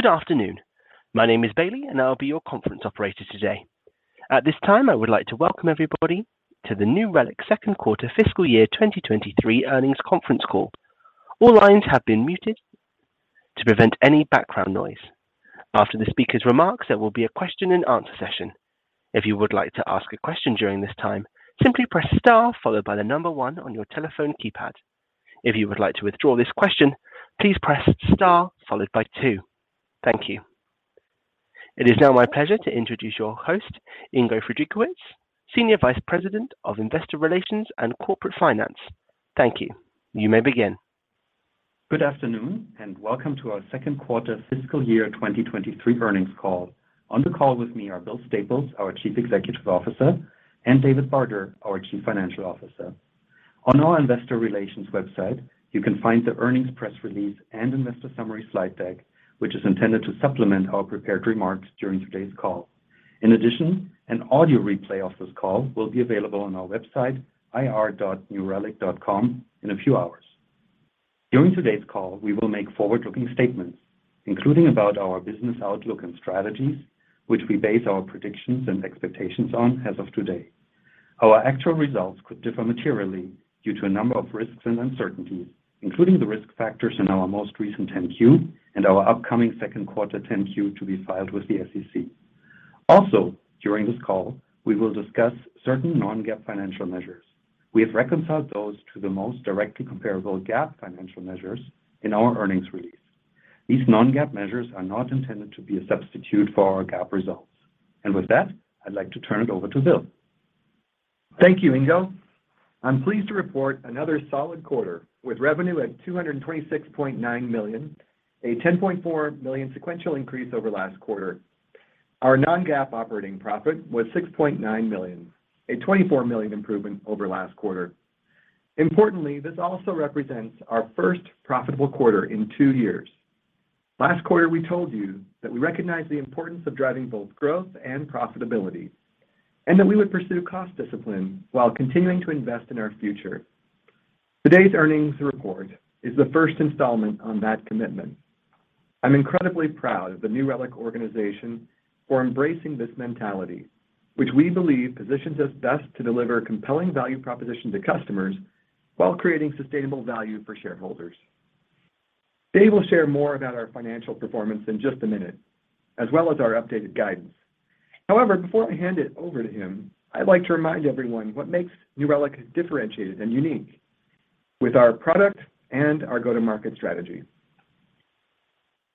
Good afternoon. My name is Bailey, and I'll be your conference operator today. At this time, I would like to welcome everybody to the New Relic second quarter fiscal year 2023 earnings conference call. All lines have been muted to prevent any background noise. After the speaker's remarks, there will be a question and answer session. If you would like to ask a question during this time, simply press star followed by the number one on your telephone keypad. If you would like to withdraw this question, please press star followed by two. Thank you. It is now my pleasure to introduce your host, Ingo Friedrich, Senior Vice President of Investor Relations and Corporate Finance. Thank you. You may begin. Good afternoon, and welcome to our second quarter fiscal year 2023 earnings call. On the call with me are Bill Staples, our Chief Executive Officer, and David Barter, our Chief Financial Officer. On our investor relations website, you can find the earnings press release and investor summary slide deck, which is intended to supplement our prepared remarks during today's call. In addition, an audio replay of this call will be available on our website, ir.newrelic.com, in a few hours. During today's call, we will make forward-looking statements, including about our business outlook and strategies, which we base our predictions and expectations on as of today. Our actual results could differ materially due to a number of risks and uncertainties, including the risk factors in our most recent 10-Q and our upcoming second quarter 10-Q to be filed with the SEC. Also, during this call, we will discuss certain non-GAAP financial measures. We have reconciled those to the most directly comparable GAAP financial measures in our earnings release. These non-GAAP measures are not intended to be a substitute for our GAAP results. With that, I'd like to turn it over to Bill. Thank you, Ingo. I'm pleased to report another solid quarter with revenue at $226.9 million, a $10.4 million sequential increase over last quarter. Our non-GAAP operating profit was $6.9 million, a $24 million improvement over last quarter. Importantly, this also represents our first profitable quarter in two years. Last quarter, we told you that we recognize the importance of driving both growth and profitability, and that we would pursue cost discipline while continuing to invest in our future. Today's earnings report is the first installment on that commitment. I'm incredibly proud of the New Relic organization for embracing this mentality, which we believe positions us best to deliver compelling value proposition to customers while creating sustainable value for shareholders. Dave will share more about our financial performance in just a minute, as well as our updated guidance. However, before I hand it over to him, I'd like to remind everyone what makes New Relic differentiated and unique with our product and our go-to-market strategy.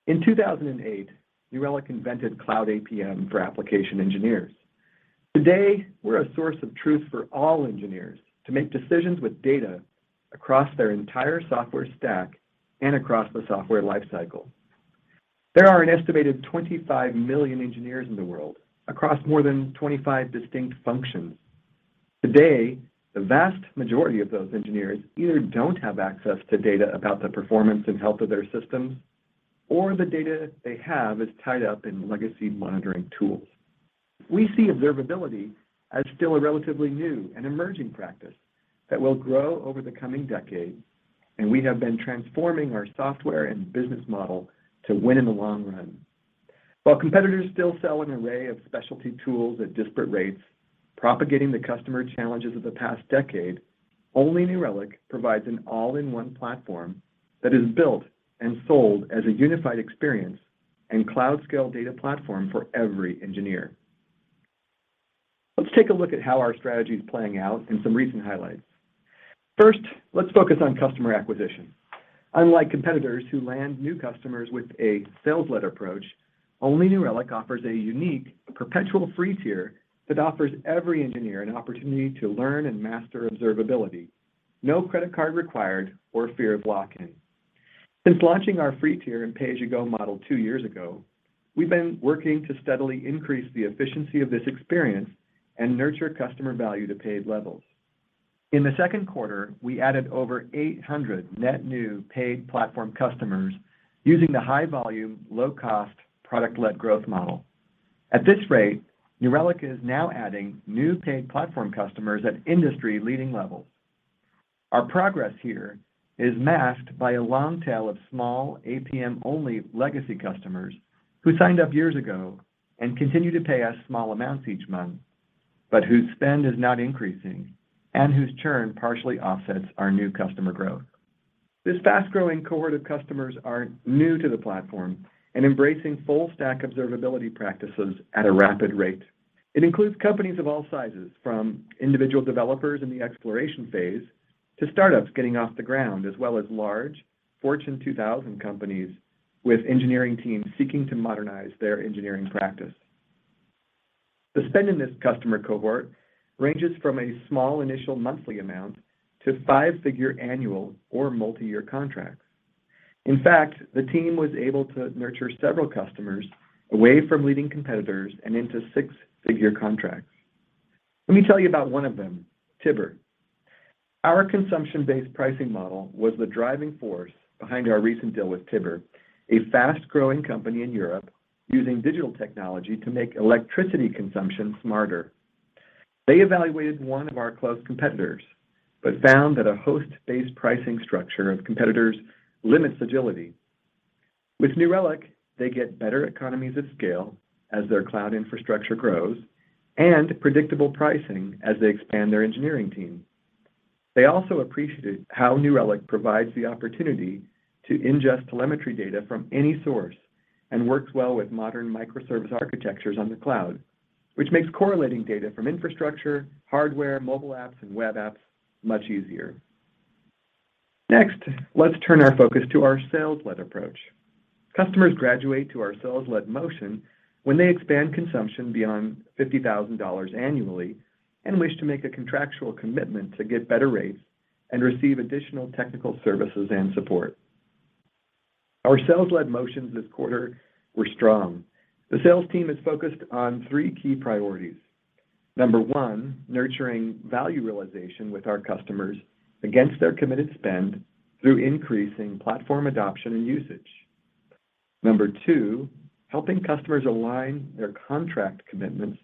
In 2008, New Relic invented cloud APM for application engineers. Today, we're a source of truth for all engineers to make decisions with data across their entire software stack and across the software life cycle. There are an estimated 25 million engineers in the world across more than 25 distinct functions. Today, the vast majority of those engineers either don't have access to data about the performance and health of their systems, or the data they have is tied up in legacy monitoring tools. We see observability as still a relatively new and emerging practice that will grow over the coming decade, and we have been transforming our software and business model to win in the long run. While competitors still sell an array of specialty tools at disparate rates, propagating the customer challenges of the past decade, only New Relic provides an all-in-one platform that is built and sold as a unified experience and cloud-scale data platform for every engineer. Let's take a look at how our strategy is playing out and some recent highlights. First, let's focus on customer acquisition. Unlike competitors who land new customers with a sales-led approach, only New Relic offers a unique perpetual free tier that offers every engineer an opportunity to learn and master observability, no credit card required or fear of lock-in. Since launching our free tier and pay-as-you-go model two years ago, we've been working to steadily increase the efficiency of this experience and nurture customer value to paid levels. In the second quarter, we added over 800 net new paid platform customers using the high volume, low cost product-led growth model. At this rate, New Relic is now adding new paid platform customers at industry leading levels. Our progress here is masked by a long tail of small APM only legacy customers who signed up years ago and continue to pay us small amounts each month, but whose spend is not increasing and whose churn partially offsets our new customer growth. This fast-growing cohort of customers are new to the platform and embracing full stack observability practices at a rapid rate. It includes companies of all sizes, from individual developers in the exploration phase to startups getting off the ground, as well as large Fortune 2000 companies with engineering teams seeking to modernize their engineering practice. The spend in this customer cohort ranges from a small initial monthly amount to five-figure annual or multi-year contracts. In fact, the team was able to nurture several customers away from leading competitors and into six-figure contracts. Let me tell you about one of them, Tibber. Our consumption-based pricing model was the driving force behind our recent deal with Tibber, a fast-growing company in Europe using digital technology to make electricity consumption smarter. They evaluated one of our close competitors, but found that a host-based pricing structure of competitors limits agility. With New Relic, they get better economies of scale as their cloud infrastructure grows and predictable pricing as they expand their engineering team. They also appreciated how New Relic provides the opportunity to ingest telemetry data from any source and works well with modern microservice architectures on the cloud, which makes correlating data from infrastructure, hardware, mobile apps, and web apps much easier. Next, let's turn our focus to our sales-led approach. Customers graduate to our sales-led motion when they expand consumption beyond $50,000 annually and wish to make a contractual commitment to get better rates and receive additional technical services and support. Our sales-led motions this quarter were strong. The sales team is focused on three key priorities. Number one, nurturing value realization with our customers against their committed spend through increasing platform adoption and usage. Number two, helping customers align their contract commitments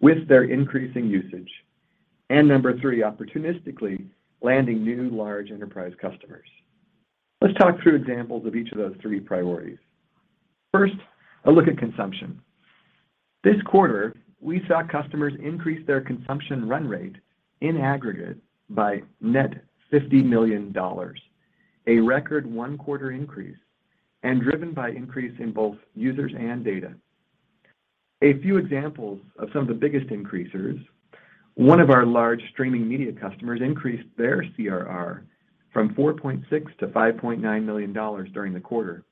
with their increasing usage. Number three, opportunistically landing new large enterprise customers. Let's talk through examples of each of those three priorities. First, a look at consumption. This quarter, we saw customers increase their consumption run rate in aggregate by net $50 million, a record one quarter increase and driven by increase in both users and data. A few examples of some of the biggest increasers. One of our large streaming media customers increased their CRR from $4.6 million to $5.9 million during the quarter.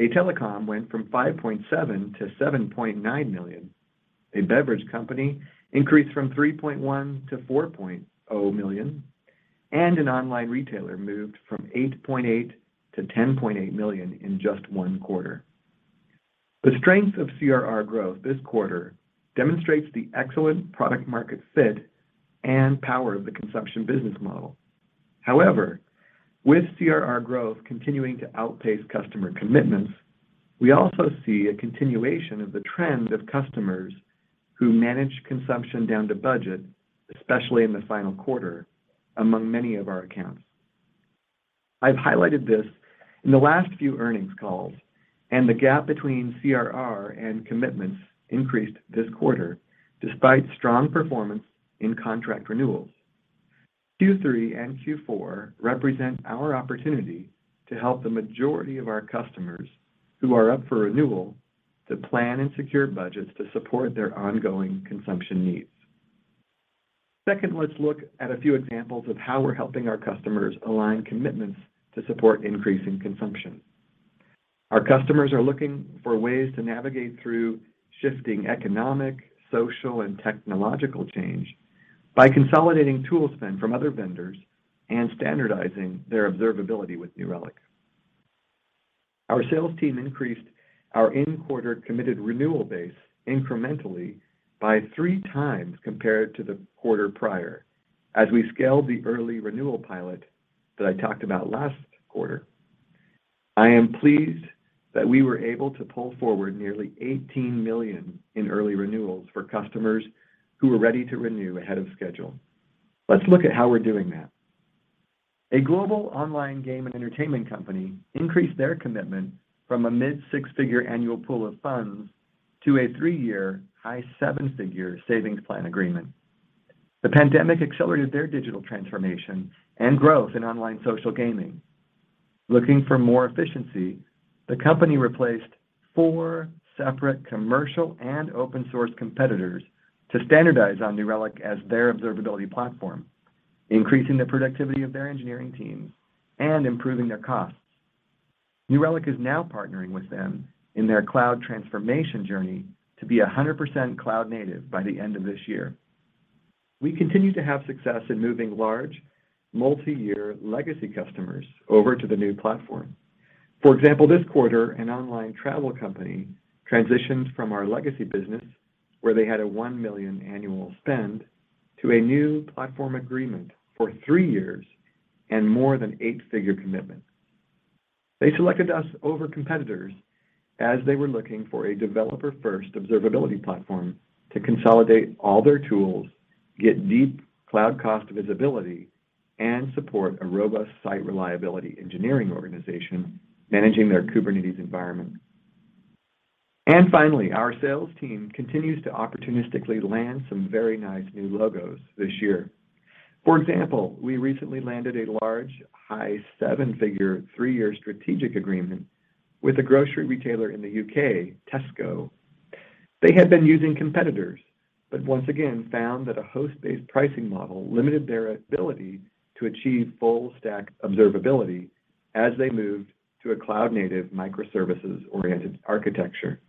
A telecom went from $5.7 million to $7.9 million. A beverage company increased from $3.1 million to $4.0 million, and an online retailer moved from $8.8 million to $10.8 million in just one quarter. The strength of CRR growth this quarter demonstrates the excellent product market fit and power of the consumption business model. However, with CRR growth continuing to outpace customer commitments, we also see a continuation of the trend of customers who manage consumption down to budget, especially in the final quarter, among many of our accounts. I've highlighted this in the last few earnings calls, and the gap between CRR and commitments increased this quarter despite strong performance in contract renewals. Q3 and Q4 represent our opportunity to help the majority of our customers who are up for renewal to plan and secure budgets to support their ongoing consumption needs. Second, let's look at a few examples of how we're helping our customers align commitments to support increasing consumption. Our customers are looking for ways to navigate through shifting economic, social, and technological change by consolidating tool spend from other vendors and standardizing their observability with New Relic. Our sales team increased our in-quarter committed renewal base incrementally by three times compared to the quarter prior as we scaled the early renewal pilot that I talked about last quarter. I am pleased that we were able to pull forward nearly $18 million in early renewals for customers who were ready to renew ahead of schedule. Let's look at how we're doing that. A global online game and entertainment company increased their commitment from a mid-six-figure annual pool of funds to a three-year high seven-figure savings plan agreement. The pandemic accelerated their digital transformation and growth in online social gaming. Looking for more efficiency, the company replaced four separate commercial and open source competitors to standardize on New Relic as their observability platform, increasing the productivity of their engineering teams and improving their costs. New Relic is now partnering with them in their cloud transformation journey to be 100% cloud native by the end of this year. We continue to have success in moving large, multi-year legacy customers over to the new platform. For example, this quarter, an online travel company transitioned from our legacy business where they had a $1 million annual spend to a new platform agreement for three years and more than eight-figure commitment. They selected us over competitors as they were looking for a developer-first observability platform to consolidate all their tools, get deep cloud cost visibility, and support a robust site reliability engineering organization managing their Kubernetes environment. Finally, our sales team continues to opportunistically land some very nice new logos this year. For example, we recently landed a large high seven-figure three-year strategic agreement with a grocery retailer in the UK, Tesco. They had been using competitors, but once again found that a host-based pricing model limited their ability to achieve full stack observability as they moved to a cloud native microservices-oriented architecture.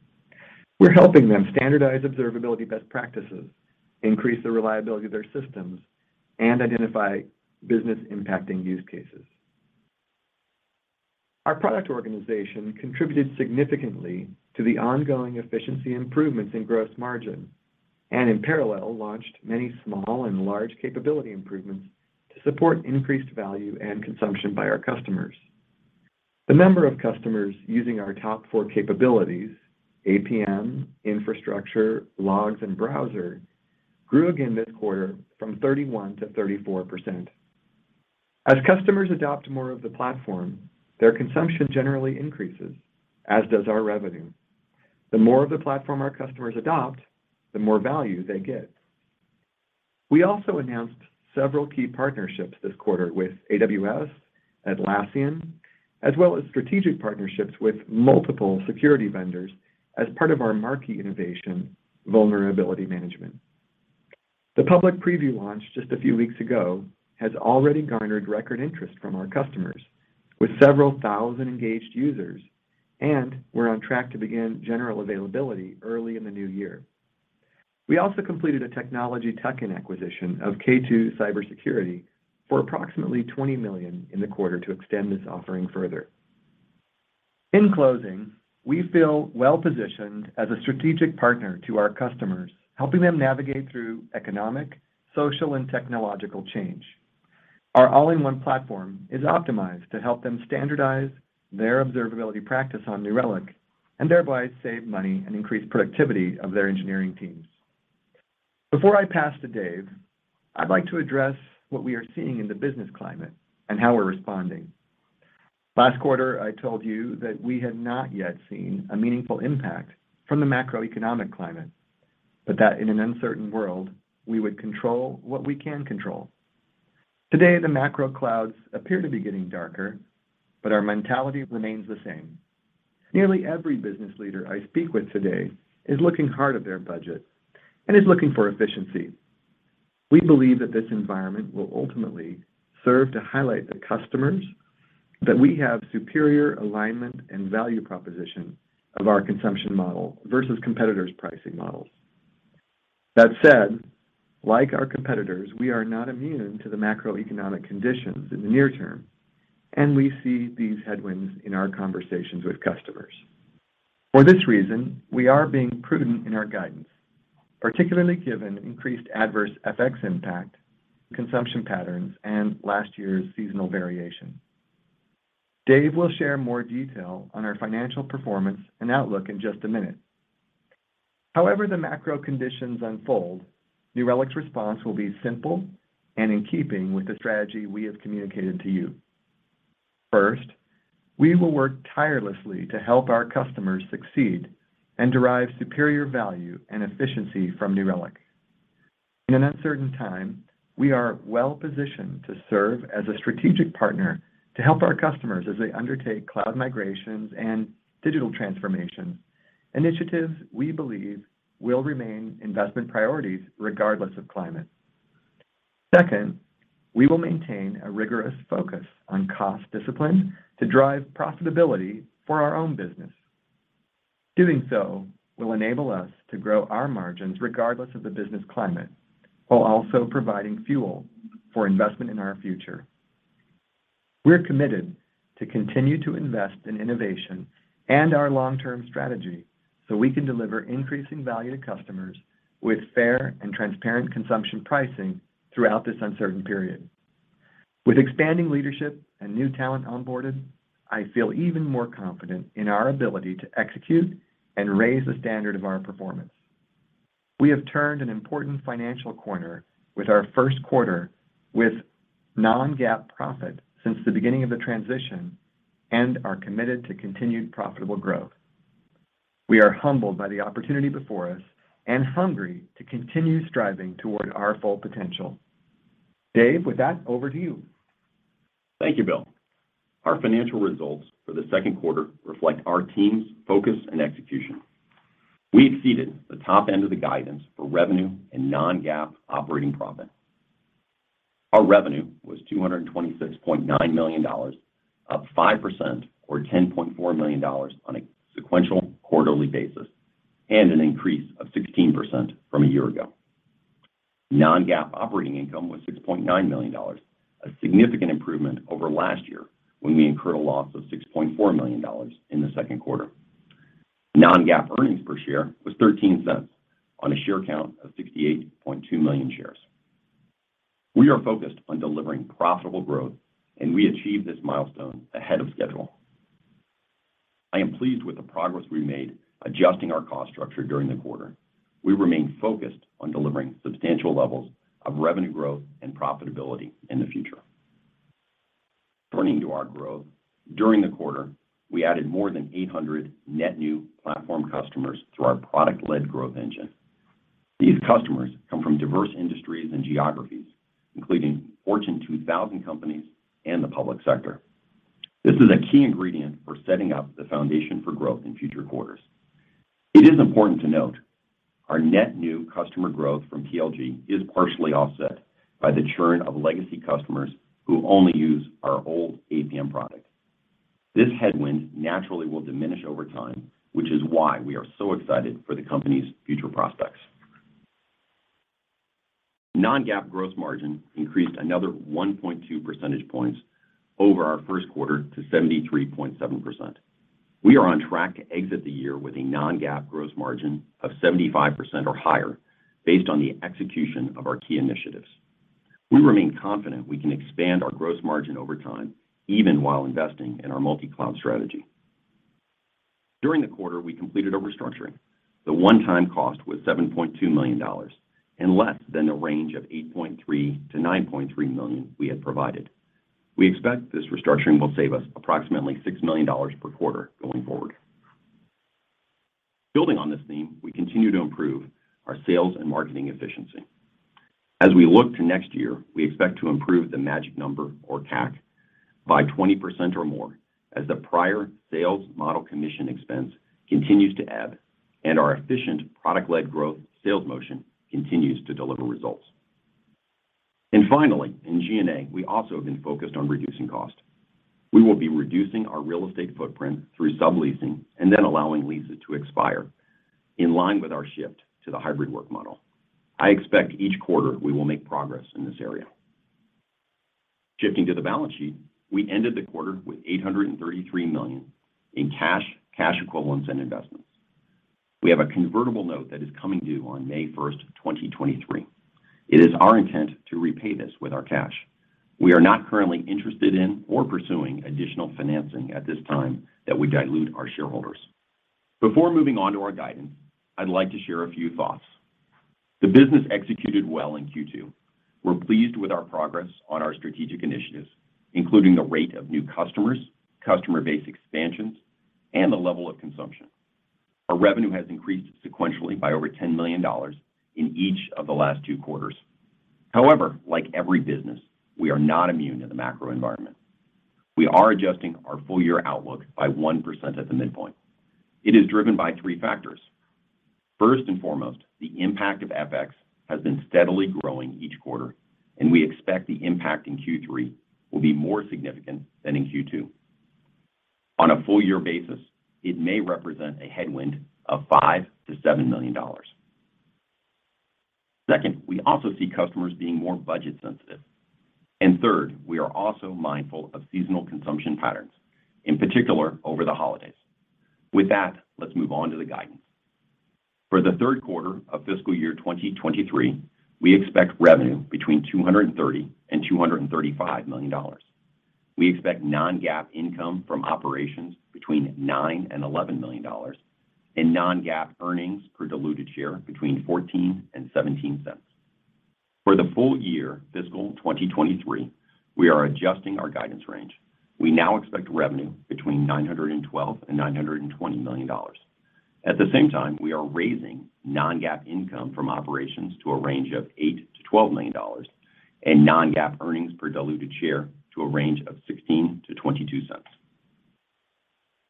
We're helping them standardize observability best practices, increase the reliability of their systems, and identify business impacting use cases. Our product organization contributed significantly to the ongoing efficiency improvements in gross margin and in parallel, launched many small and large capability improvements to support increased value and consumption by our customers. The number of customers using our top four capabilities, APM, infrastructure, logs, and browser, grew again this quarter from 31%-34%. As customers adopt more of the platform, their consumption generally increases, as does our revenue. The more of the platform our customers adopt, the more value they get. We also announced several key partnerships this quarter with AWS, Atlassian, as well as strategic partnerships with multiple security vendors as part of our marquee innovation Vulnerability Management. The public preview launch just a few weeks ago has already garnered record interest from our customers with several thousand engaged users, and we're on track to begin general availability early in the new year. We also completed a technology tuck-in acquisition of K2 Cyber Security for approximately $20 million in the quarter to extend this offering further. In closing, we feel well-positioned as a strategic partner to our customers, helping them navigate through economic, social, and technological change. Our all-in-one platform is optimized to help them standardize their observability practice on New Relic and thereby save money and increase productivity of their engineering teams. Before I pass to Dave, I'd like to address what we are seeing in the business climate and how we're responding. Last quarter, I told you that we had not yet seen a meaningful impact from the macroeconomic climate, but that in an uncertain world, we would control what we can control. Today, the macro clouds appear to be getting darker, but our mentality remains the same. Nearly every business leader I speak with today is looking hard at their budget and is looking for efficiency. We believe that this environment will ultimately serve to highlight to customers that we have superior alignment and value proposition of our consumption model versus competitors' pricing models. That said, like our competitors, we are not immune to the macroeconomic conditions in the near term, and we see these headwinds in our conversations with customers. For this reason, we are being prudent in our guidance, particularly given increased adverse FX impact, consumption patterns, and last year's seasonal variation. David will share more detail on our financial performance and outlook in just a minute. However the macro conditions unfold, New Relic's response will be simple and in keeping with the strategy we have communicated to you. First, we will work tirelessly to help our customers succeed and derive superior value and efficiency from New Relic. In an uncertain time, we are well positioned to serve as a strategic partner to help our customers as they undertake cloud migrations and digital transformation initiatives we believe will remain investment priorities regardless of climate. Second, we will maintain a rigorous focus on cost discipline to drive profitability for our own business. Doing so will enable us to grow our margins regardless of the business climate while also providing fuel for investment in our future. We're committed to continue to invest in innovation and our long-term strategy so we can deliver increasing value to customers with fair and transparent consumption pricing throughout this uncertain period. With expanding leadership and new talent onboarded, I feel even more confident in our ability to execute and raise the standard of our performance. We have turned an important financial corner with our first quarter with non-GAAP profit since the beginning of the transition and are committed to continued profitable growth. We are humbled by the opportunity before us and hungry to continue striving toward our full potential. Dave, with that, over to you. Thank you, Bill. Our financial results for the second quarter reflect our team's focus and execution. We exceeded the top end of the guidance for revenue and non-GAAP operating profit. Our revenue was $226.9 million, up 5% or $10.4 million on a sequential quarterly basis and an increase of 16% from a year ago. Non-GAAP operating income was $6.9 million, a significant improvement over last year when we incurred a loss of $6.4 million in the second quarter. Non-GAAP earnings per share was $0.13 on a share count of 68.2 million shares. We are focused on delivering profitable growth, and we achieved this milestone ahead of schedule. I am pleased with the progress we made adjusting our cost structure during the quarter. We remain focused on delivering substantial levels of revenue growth and profitability in the future. Turning to our growth, during the quarter, we added more than 800 net new platform customers through our product-led growth engine. These customers come from diverse industries and geographies, including Fortune 2000 companies and the public sector. This is a key ingredient for setting up the foundation for growth in future quarters. It is important to note our net new customer growth from PLG is partially offset by the churn of legacy customers who only use our old APM product. This headwind naturally will diminish over time, which is why we are so excited for the company's future prospects. Non-GAAP gross margin increased another 1.2 percentage points over our first quarter to 73.7%. We are on track to exit the year with a non-GAAP gross margin of 75% or higher based on the execution of our key initiatives. We remain confident we can expand our gross margin over time, even while investing in our multi-cloud strategy. During the quarter, we completed our restructuring. The one-time cost was $7.2 million and less than the range of $8.3 million-$9.3 million we had provided. We expect this restructuring will save us approximately $6 million per quarter going forward. Building on this theme, we continue to improve our sales and marketing efficiency. As we look to next year, we expect to improve the magic number or CAC by 20% or more as the prior sales model commission expense continues to ebb and our efficient product-led growth sales motion continues to deliver results. Finally, in G&A, we also have been focused on reducing cost. We will be reducing our real estate footprint through subleasing and then allowing leases to expire in line with our shift to the hybrid work model. I expect each quarter we will make progress in this area. Shifting to the balance sheet, we ended the quarter with $833 million in cash equivalents, and investments. We have a convertible note that is coming due on May 1st, 2023. It is our intent to repay this with our cash. We are not currently interested in or pursuing additional financing at this time that would dilute our shareholders. Before moving on to our guidance, I'd like to share a few thoughts. The business executed well in Q2. We're pleased with our progress on our strategic initiatives, including the rate of new customers, customer base expansions, and the level of consumption. Our revenue has increased sequentially by over $10 million in each of the last two quarters. However, like every business, we are not immune to the macro environment. We are adjusting our full-year outlook by 1% at the midpoint. It is driven by three factors. First and foremost, the impact of FX has been steadily growing each quarter, and we expect the impact in Q3 will be more significant than in Q2. On a full-year basis, it may represent a headwind of $5 million-$7 million. Second, we also see customers being more budget sensitive. Third, we are also mindful of seasonal consumption patterns, in particular over the holidays. With that, let's move on to the guidance. For the third quarter of fiscal year 2023, we expect revenue between $230 million and $235 million. We expect non-GAAP income from operations between $9 million and $11 million, and non-GAAP earnings per diluted share between $0.14 and $0.17. For the full fiscal 2023, we are adjusting our guidance range. We now expect revenue between $912 million and $920 million. At the same time, we are raising non-GAAP income from operations to a range of $8 million-$12 million and non-GAAP earnings per diluted share to a range of $0.16-$0.22.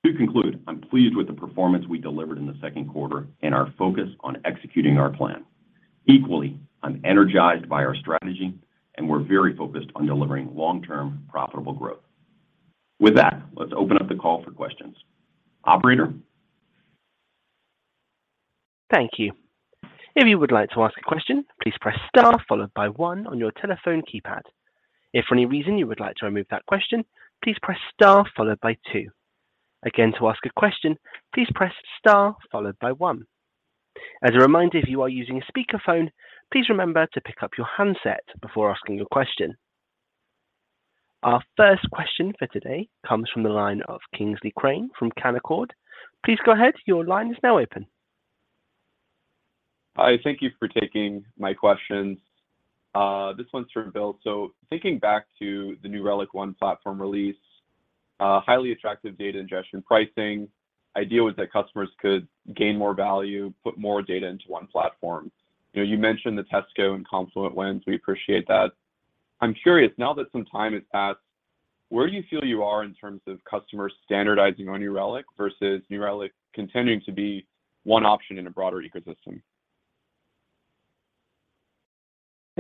To conclude, I'm pleased with the performance we delivered in the second quarter and our focus on executing our plan. Equally, I'm energized by our strategy, and we're very focused on delivering long-term profitable growth. With that, let's open up the call for questions. Operator? Thank you. If you would like to ask a question, please press star followed by one on your telephone keypad. If for any reason you would like to remove that question, please press star followed by two. Again, to ask a question, please press star followed by one. As a reminder, if you are using a speakerphone, please remember to pick up your handset before asking a question. Our first question for today comes from the line of Kingsley Crane from Canaccord. Please go ahead. Your line is now open. Hi. Thank you for taking my questions. This one's for Bill. Thinking back to the New Relic One platform release, highly attractive data ingestion pricing, idea was that customers could gain more value, put more data into one platform. You know, you mentioned the Tesco and Confluent wins. We appreciate that. I'm curious, now that some time has passed, where do you feel you are in terms of customers standardizing on New Relic versus New Relic continuing to be one option in a broader ecosystem?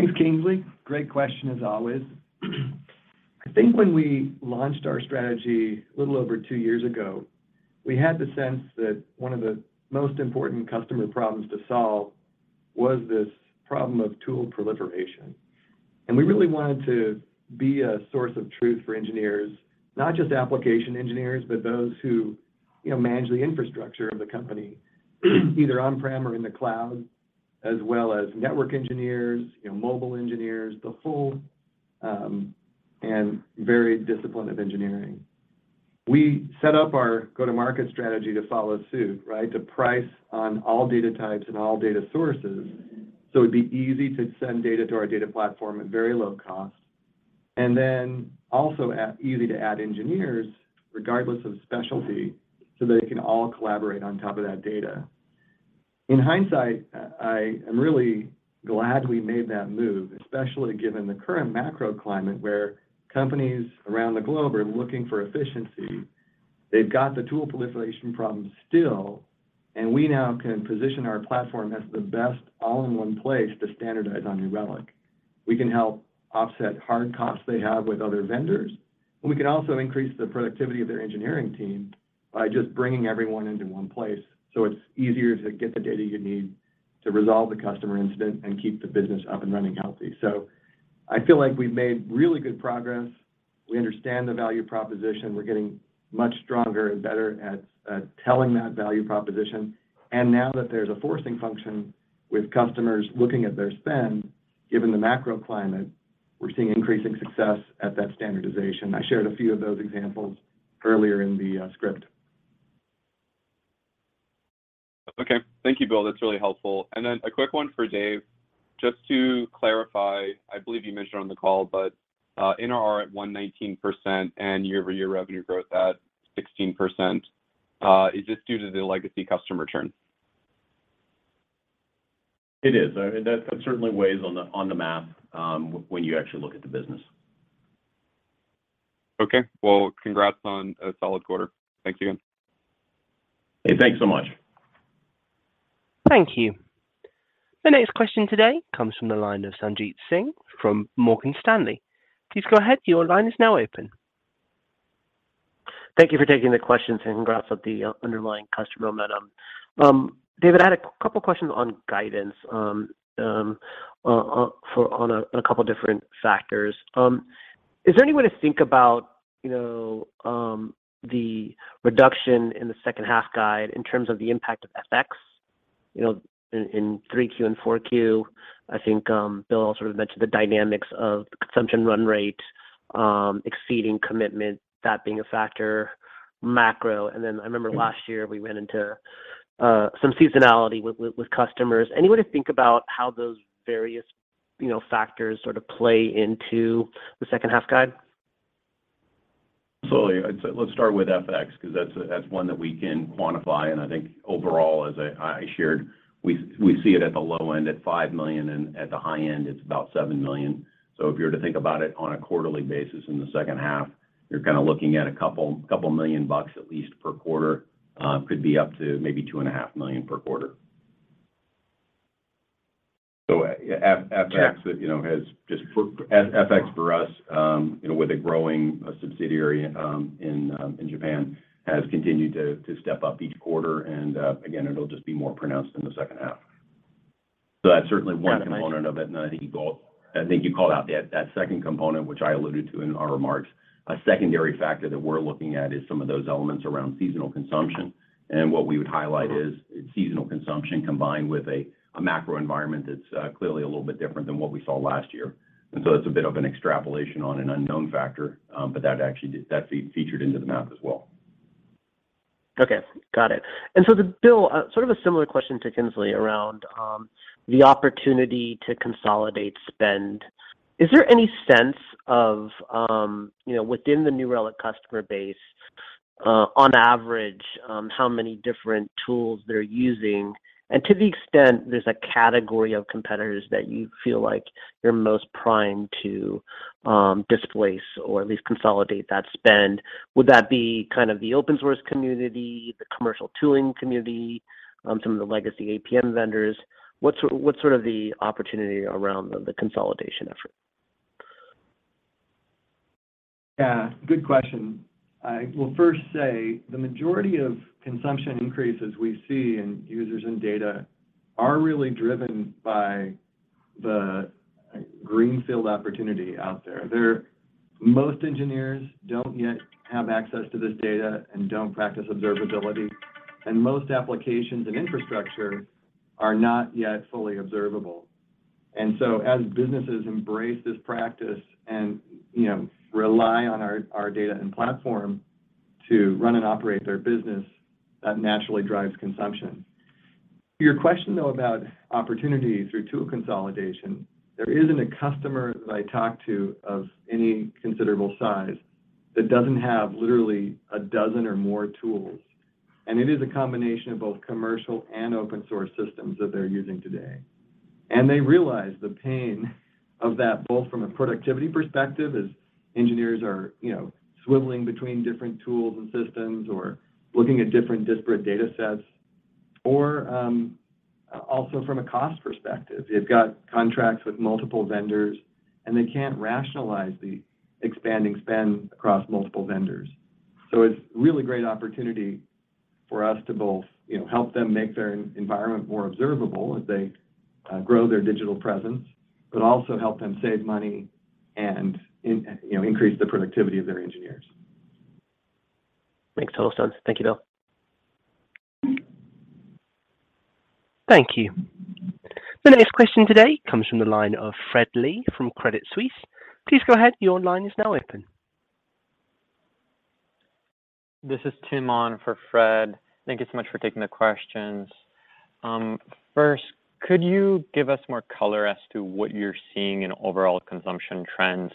Thanks, Kingsley. Great question as always. I think when we launched our strategy a little over two years ago, we had the sense that one of the most important customer problems to solve was this problem of tool proliferation. We really wanted to be a source of truth for engineers, not just application engineers, but those who, you know, manage the infrastructure of the company, either on-prem or in the cloud, as well as network engineers, you know, mobile engineers, the whole and varied discipline of engineering. We set up our go-to-market strategy to follow suit, right? To price on all data types and all data sources, so it'd be easy to send data to our data platform at very low cost and then also easy to add engineers regardless of specialty, so they can all collaborate on top of that data. In hindsight, I am really glad we made that move, especially given the current macro climate where companies around the globe are looking for efficiency. They've got the tool proliferation problem still, and we now can position our platform as the best all-in-one place to standardize on New Relic. We can help offset hard costs they have with other vendors, and we can also increase the productivity of their engineering team by just bringing everyone into one place, so it's easier to get the data you need to resolve the customer incident and keep the business up and running healthy. I feel like we've made really good progress. We understand the value proposition. We're getting much stronger and better at telling that value proposition. Now that there's a forcing function with customers looking at their spend, given the macro climate, we're seeing increasing success at that standardization. I shared a few of those examples earlier in the script. Okay. Thank you, Bill. That's really helpful. A quick one for Dave. Just to clarify, I believe you mentioned on the call, but NRR at 119% and year-over-year revenue growth at 16%, is this due to the legacy customer churn? It is. I mean, that certainly weighs on the math when you actually look at the business. Okay. Well, congrats on a solid quarter. Thanks again. Hey, thanks so much. Thank you. The next question today comes from the line of Sanjit Singh from Morgan Stanley. Please go ahead. Your line is now open. Thank you for taking the questions, and congrats on the underlying customer momentum. David, I had a couple questions on guidance, on a couple different factors. Is there any way to think about, you know, the reduction in the second half guide in terms of the impact of FX? You know, in 3Q and 4Q, I think Bill sort of mentioned the dynamics of consumption run rate exceeding commitment, that being a factor, macro. Then I remember last year we ran into some seasonality with customers. Any way to think about how those various, you know, factors sort of play into the second half guide? I'd say let's start with FX 'cause that's one that we can quantify. I think overall, as I shared, we see it at the low end at $5 million, and at the high end it's about $7 million. If you were to think about it on a quarterly basis in the second half, you're kinda looking at a couple million bucks at least per quarter. Could be up to maybe $2.5 million per quarter. FX, you know, has just FX for us with a growing subsidiary in Japan has continued to step up each quarter and again it'll just be more pronounced in the second half. That's certainly one component of it. I think you called out that second component, which I alluded to in our remarks. A secondary factor that we're looking at is some of those elements around seasonal consumption. What we would highlight is seasonal consumption combined with a macro environment that's clearly a little bit different than what we saw last year. It's a bit of an extrapolation on an unknown factor. But that actually featured into the math as well. Okay. Got it. To Bill, sort of a similar question to Kingsley around the opportunity to consolidate spend. Is there any sense of, you know, within the New Relic customer base, on average, how many different tools they're using? And to the extent there's a category of competitors that you feel like you're most primed to displace or at least consolidate that spend, would that be kind of the open source community, the commercial tooling community, some of the legacy APM vendors? What sort of the opportunity around the consolidation effort? Yeah, good question. I will first say the majority of consumption increases we see in users and data are really driven by the greenfield opportunity out there. Most engineers don't yet have access to this data and don't practice observability, and most applications and infrastructure are not yet fully observable. As businesses embrace this practice and, you know, rely on our data and platform to run and operate their business, that naturally drives consumption. To your question, though, about opportunities through tool consolidation, there isn't a customer that I talk to of any considerable size that doesn't have literally a dozen or more tools. It is a combination of both commercial and open source systems that they're using today. They realize the pain of that both from a productivity perspective as engineers are, you know, swiveling between different tools and systems or looking at different disparate data sets or also from a cost perspective. They've got contracts with multiple vendors, and they can't rationalize the expanding spend across multiple vendors. So it's a really great opportunity for us to both, you know, help them make their environment more observable as they grow their digital presence, but also help them save money and you know, increase the productivity of their engineers. Thanks a ton. Thank you, Bill. Thank you. The next question today comes from the line of Fred Lee from Credit Suisse. Please go ahead. Your line is now open. This is Tim on for Fred. Thank you so much for taking the questions. First, could you give us more color as to what you're seeing in overall consumption trends,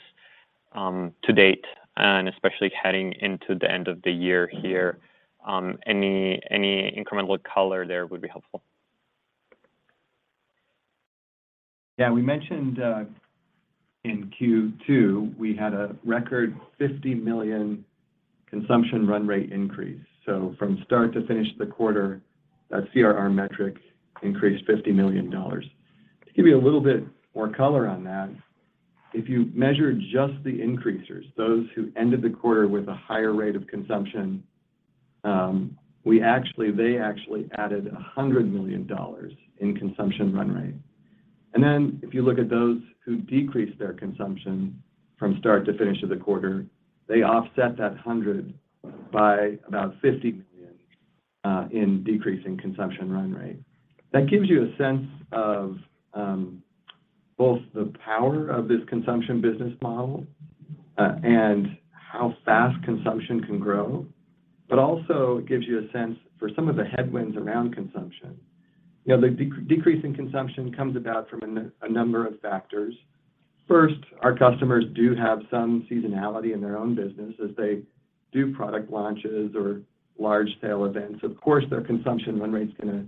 to date, and especially heading into the end of the year here? Any incremental color there would be helpful.F Yeah. We mentioned in Q2 we had a record 50 million consumption run rate increase. From start to finish of the quarter, that CRR metric increased $50 million. To give you a little bit more color on that, if you measure just the increasers, those who ended the quarter with a higher rate of consumption, they actually added $100 million in consumption run rate. Then if you look at those who decreased their consumption from start to finish of the quarter, they offset that hundred by about $50 million in decreasing consumption run rate. That gives you a sense of both the power of this consumption business model and how fast consumption can grow, but also gives you a sense for some of the headwinds around consumption. You know, the decrease in consumption comes about from a number of factors. First, our customers do have some seasonality in their own business as they do product launches or large sale events. Of course, their consumption run rate's gonna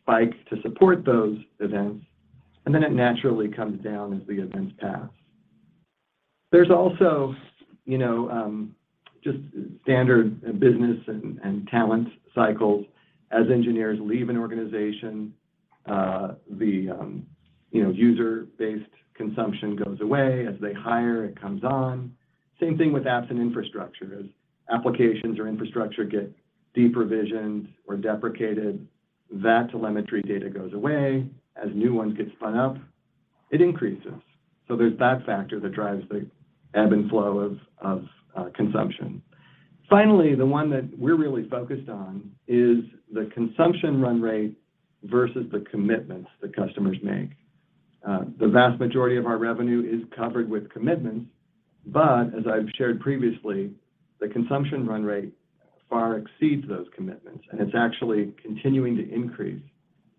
spike to support those events, and then it naturally comes down as the events pass. There's also, you know, just standard business and talent cycles. As engineers leave an organization, the user-based consumption goes away. As they hire, it comes on. Same thing with apps and infrastructure. As applications or infrastructure get deprovisioned or deprecated, that telemetry data goes away. As new ones get spun up, it increases. So there's that factor that drives the ebb and flow of consumption. Finally, the one that we're really focused on is the consumption run rate versus the commitments that customers make. The vast majority of our revenue is covered with commitments, but as I've shared previously, the consumption run rate far exceeds those commitments, and it's actually continuing to increase.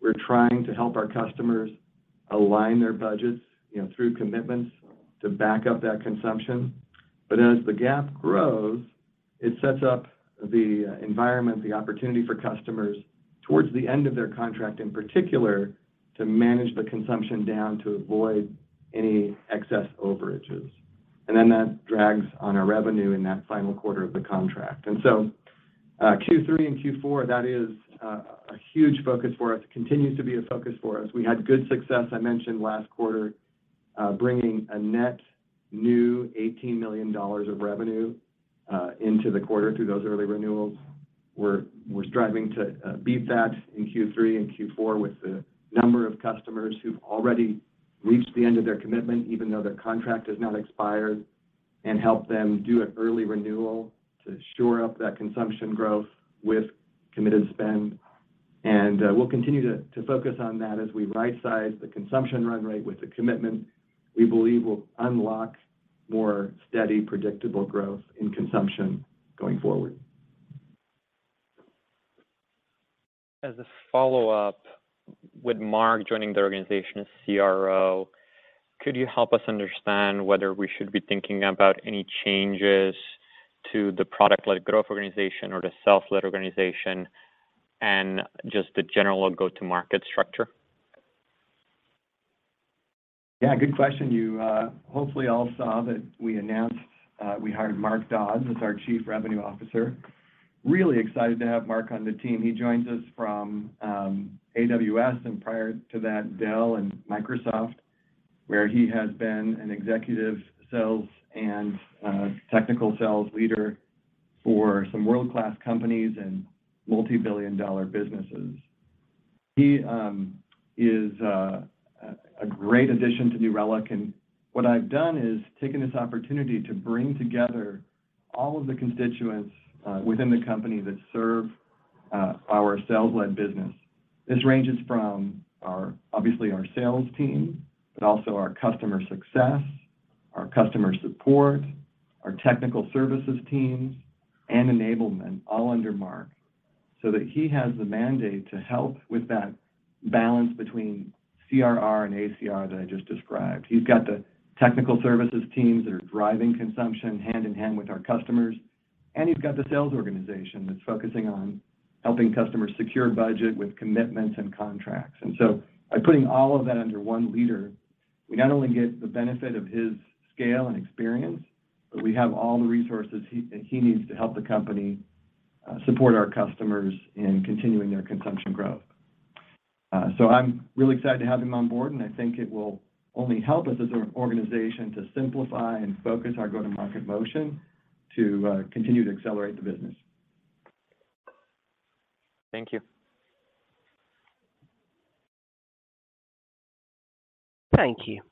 We're trying to help our customers align their budgets, you know, through commitments to back up that consumption. As the gap grows, it sets up the environment, the opportunity for customers towards the end of their contract, in particular, to manage the consumption down to avoid any excess overages. That drags on our revenue in that final quarter of the contract. Q3 and Q4, that is a huge focus for us, continues to be a focus for us. We had good success, I mentioned last quarter, bringing a net new $18 million of revenue into the quarter through those early renewals. We're striving to beat that in Q3 and Q4 with the number of customers who've already reached the end of their commitment even though their contract has not expired, and help them do an early renewal to shore up that consumption growth with committed spend. We'll continue to focus on that as we right-size the consumption run rate with the commitment we believe will unlock more steady, predictable growth in consumption going forward. As a follow-up, with Mark joining the organization as CRO, could you help us understand whether we should be thinking about any changes to the product-led growth organization or the sales-led organization and just the general go-to-market structure? Yeah, good question. You hopefully all saw that we announced we hired Mark Dodds as our Chief Revenue Officer. Really excited to have Mark on the team. He joins us from AWS, and prior to that, Dell and Microsoft, where he has been an executive sales and technical sales leader for some world-class companies and multi-billion dollar businesses. He is a great addition to New Relic, and what I've done is taken this opportunity to bring together all of the constituents within the company that serve our sales-led business. This ranges from our obviously our sales team, but also our customer success, our customer support, our technical services teams, and enablement, all under Mark, so that he has the mandate to help with that balance between CRR and ACR that I just described. You've got the technical services teams that are driving consumption hand in hand with our customers, and you've got the sales organization that's focusing on helping customers secure budget with commitments and contracts. By putting all of that under one leader, we not only get the benefit of his scale and experience, but we have all the resources he needs to help the company support our customers in continuing their consumption growth. I'm really excited to have him on board, and I think it will only help us as an organization to simplify and focus our go-to-market motion to continue to accelerate the business. Thank you. Thank you. Our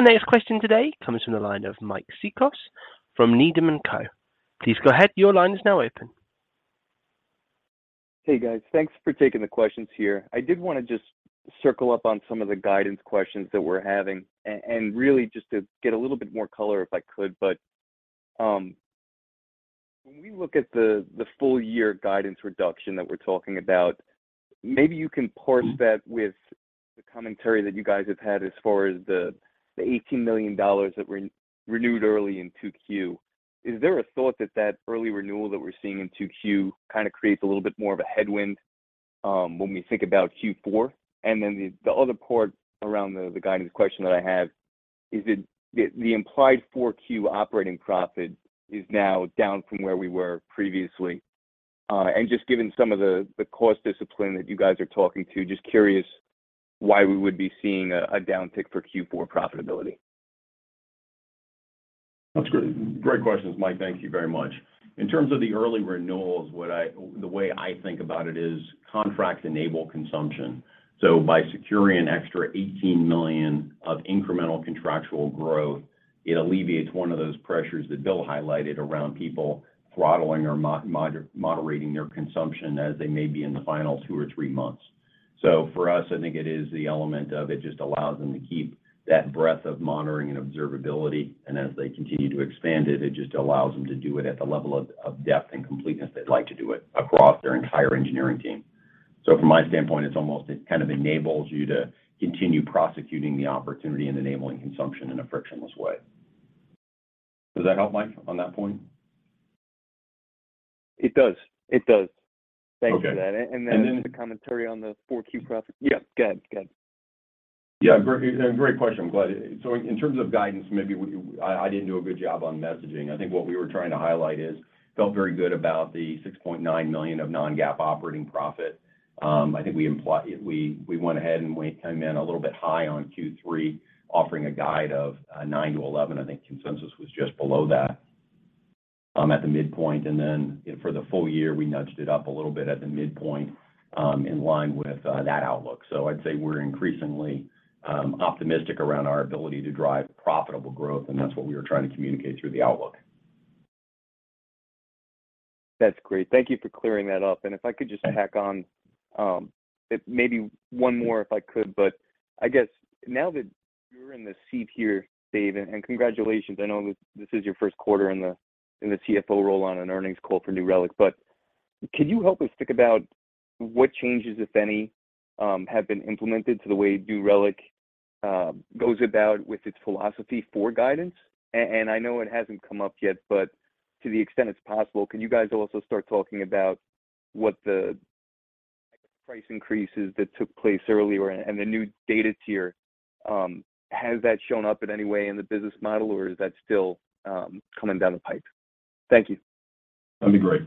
next question today comes from the line of Mike Cikos from Needham & Co. Please go ahead, your line is now open. Hey, guys. Thanks for taking the questions here. I did wanna just circle up on some of the guidance questions that we're having and really just to get a little bit more color if I could. When we look at the full guidance reduction that we're talking about, maybe you can pair that with the commentary that you guys have had as far as the $18 million that were renewed early in 2Q. Is there a thought that that early renewal that we're seeing in 2Q kinda creates a little bit more of a headwind when we think about Q4? And then the other part around the guidance question that I have is that the implied Q4 operating profit is now down from where we were previously. Just given some of the cost discipline that you guys are talking about, just curious why we would be seeing a downtick for Q4 profitability? That's great. Great questions, Mike. Thank you very much. In terms of the early renewals, the way I think about it is contracts enable consumption. By securing an extra $18 million of incremental contractual growth, it alleviates one of those pressures that Bill highlighted around people throttling or moderating their consumption as they may be in the final two or three months. For us, I think it is the element of it just allows them to keep that breadth of monitoring and observability, and as they continue to expand it just allows them to do it at the level of depth and completeness they'd like to do it across their entire engineering team. From my standpoint, it's almost, it kind of enables you to continue prosecuting the opportunity and enabling consumption in a frictionless way. Does that help, Mike, on that point? It does. Okay. Thanks for that. And then- the commentary on the Q4 profit. Yeah, go ahead. Go ahead. Yeah. Great question. In terms of guidance, I didn't do a good job on messaging. I think what we were trying to highlight is we felt very good about the $6.9 million of non-GAAP operating profit. I think we implied we went ahead, and we came in a little bit high on Q3, offering a guide of $9 million-$11 million. I think consensus was just below that at the midpoint. For the full, we nudged it up a little bit at the midpoint in line with that outlook. I'd say we're increasingly optimistic around our ability to drive profitable growth, and that's what we were trying to communicate through the outlook. That's great. Thank you for clearing that up. If I could just tack on, maybe one more, if I could. I guess now that you're in the seat here, Dave, and congratulations, I know this is your first quarter in the CFO role on an earnings call for New Relic. Could you help us think about what changes, if any, have been implemented to the way New Relic goes about with its philosophy for guidance? I know it hasn't come up yet, but to the extent it's possible, can you guys also start talking about what the price increases that took place earlier and the new data tier has that shown up in any way in the business model, or is that still coming down the pipe? Thank you. That'd be great.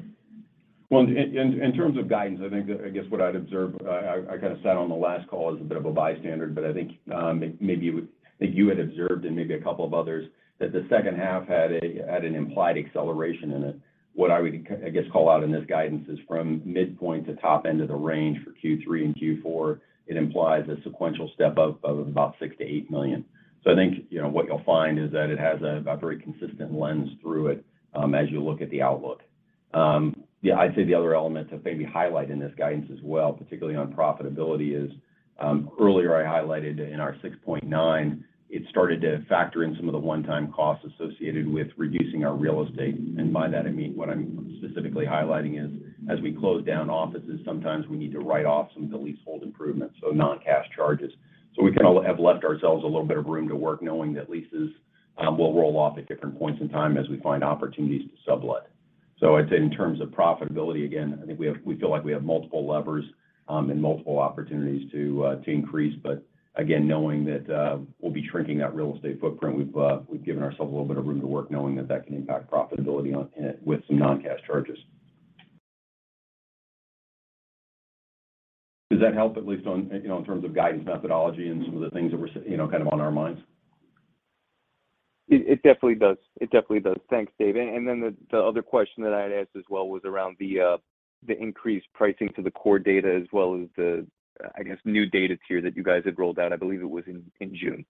Well, in terms of guidance, I think, I guess what I'd observe, I kind of sat on the last call as a bit of a bystander, but I think you had observed and maybe a couple of others that the second half had an implied acceleration in it. What I would, I guess, call out in this guidance is from midpoint to top end of the range for Q3 and Q4, it implies a sequential step-up of about $6 million-$8 million. I think, you know, what you'll find is that it has a very consistent lens through it, as you look at the outlook. Yeah, I'd say the other element to maybe highlight in this guidance as well, particularly on profitability, is, earlier I highlighted in our 6.9%, it started to factor in some of the one-time costs associated with reducing our real estate. By that I mean, what I'm specifically highlighting is as we close down offices, sometimes we need to write off some of the leasehold improvements, so non-cash charges. We kind of have left ourselves a little bit of room to work knowing that leases will roll off at different points in time as we find opportunities to sublet. I'd say in terms of profitability, again, I think we feel like we have multiple levers and multiple opportunities to increase. Again, knowing that, we'll be shrinking that real estate footprint. We've given ourselves a little bit of room to work knowing that that can impact profitability with some non-cash charges. Does that help at least on, you know, in terms of guidance methodology and some of the things that we're, you know, kind of on our minds? It definitely does. Thanks, Dave. Then the other question that I had asked as well was around the increased pricing to the core data as well as the, I guess, new data tier that you guys had rolled out, I believe it was in June.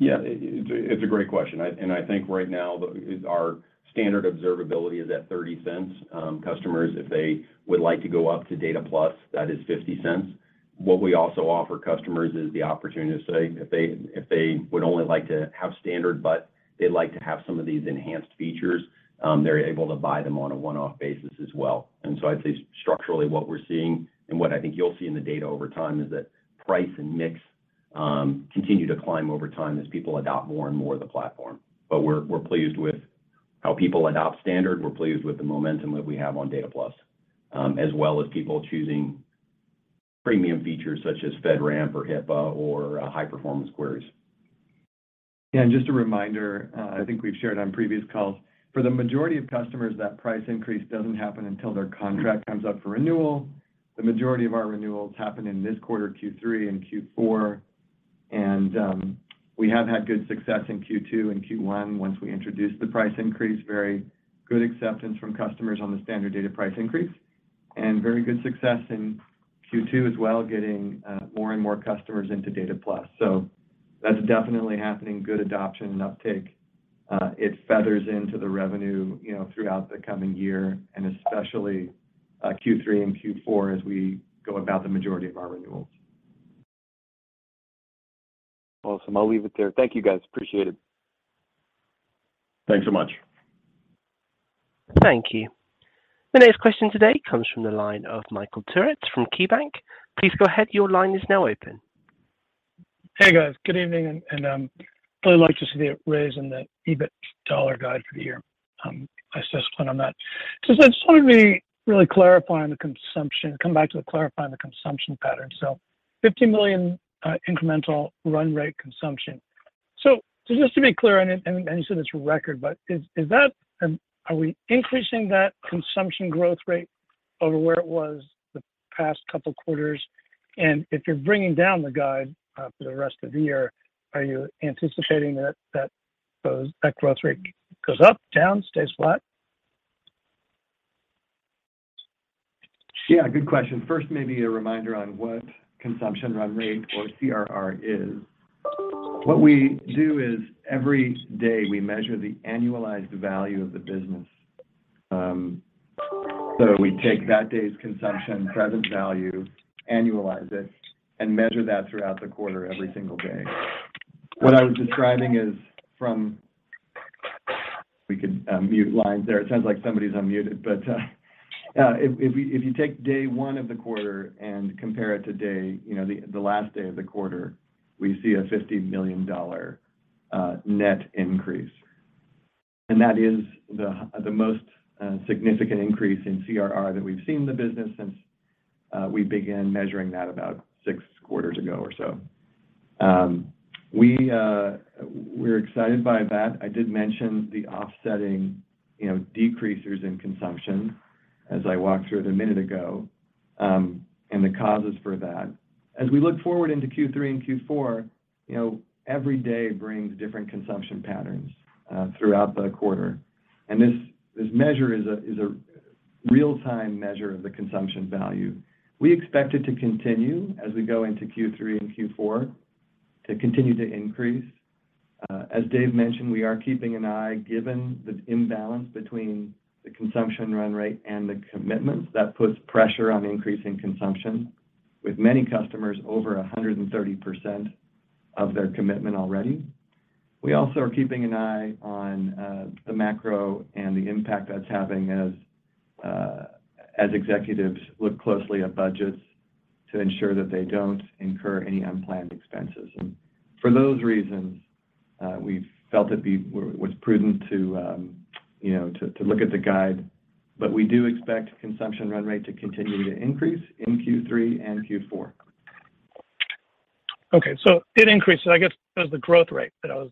Yeah. It's a great question. I think right now our Standard observability is at $0.30. Customers, if they would like to go up to Data Plus, that is $0.50. What we also offer customers is the opportunity to say if they would only like to have Standard, but they'd like to have some of these enhanced features, they're able to buy them on a one-off basis as well. I'd say structurally what we're seeing and what I think you'll see in the data over time is that price and mix continue to climb over time as people adopt more and more of the platform. We're pleased with how people adopt Standard. We're pleased with the momentum that we have on Data Plus, as well as people choosing premium features such as FedRAMP or HIPAA or high-performance queries. Just a reminder, I think we've shared on previous calls, for the majority of customers, that price increase doesn't happen until their contract comes up for renewal. The majority of our renewals happen in this quarter, Q3 and Q4. We have had good success in Q2 and Q1 once we introduced the price increase, very good acceptance from customers on the standard data price increase, and very good success in Q2 as well, getting more and more customers into Data Plus. That's definitely happening, good adoption and uptake. It feathers into the revenue, you know, throughout the coming year and especially Q3 and Q4 as we go about the majority of our renewals. Awesome. I'll leave it there. Thank you, guys. Appreciate it. Thanks so much. Thank you. The next question today comes from the line of Michael Turits from KeyBanc. Please go ahead, your line is now open. Hey, guys. Good evening, and really like to see the raise in the EBIT dollar guide for the year. I just want to comment on that. I just wanted to really clarify on the consumption, come back to clarifying the consumption pattern. $50 million incremental run rate consumption. Just to be clear on it, and you said it's your record, but is that are we increasing that consumption growth rate over where it was the past couple quarters, and if you're bringing down the guide for the rest of the year, are you anticipating that that growth rate goes up, down, stays flat? Yeah, good question. First, maybe a reminder on what consumption run rate or CRR is. What we do is every day we measure the annualized value of the business. So we take that day's consumption present value, annualize it, and measure that throughout the quarter every single day. What I was describing is. We could mute lines there. It sounds like somebody's unmuted. If you take day one of the quarter and compare it to, you know, the last day of the quarter, we see a $50 million net increase. That is the most significant increase in CRR that we've seen in the business since we began measuring that about six quarters ago or so. We're excited by that. I did mention the offsetting, you know, decreases in consumption as I walked through it a minute ago, and the causes for that. As we look forward into Q3 and Q4, you know, every day brings different consumption patterns throughout the quarter. This measure is a real-time measure of the consumption value. We expect it to continue as we go into Q3 and Q4 to continue to increase. As Dave mentioned, we are keeping an eye, given the imbalance between the consumption run rate and the commitments. That puts pressure on increasing consumption, with many customers over 130% of their commitment already. We also are keeping an eye on the macro and the impact that's having as executives look closely at budgets to ensure that they don't incur any unplanned expenses. For those reasons, we felt it'd be prudent to, you know, to look at the guide. We do expect consumption run rate to continue to increase in Q3 and Q4. Okay. It increases, I guess that was the growth rate that I was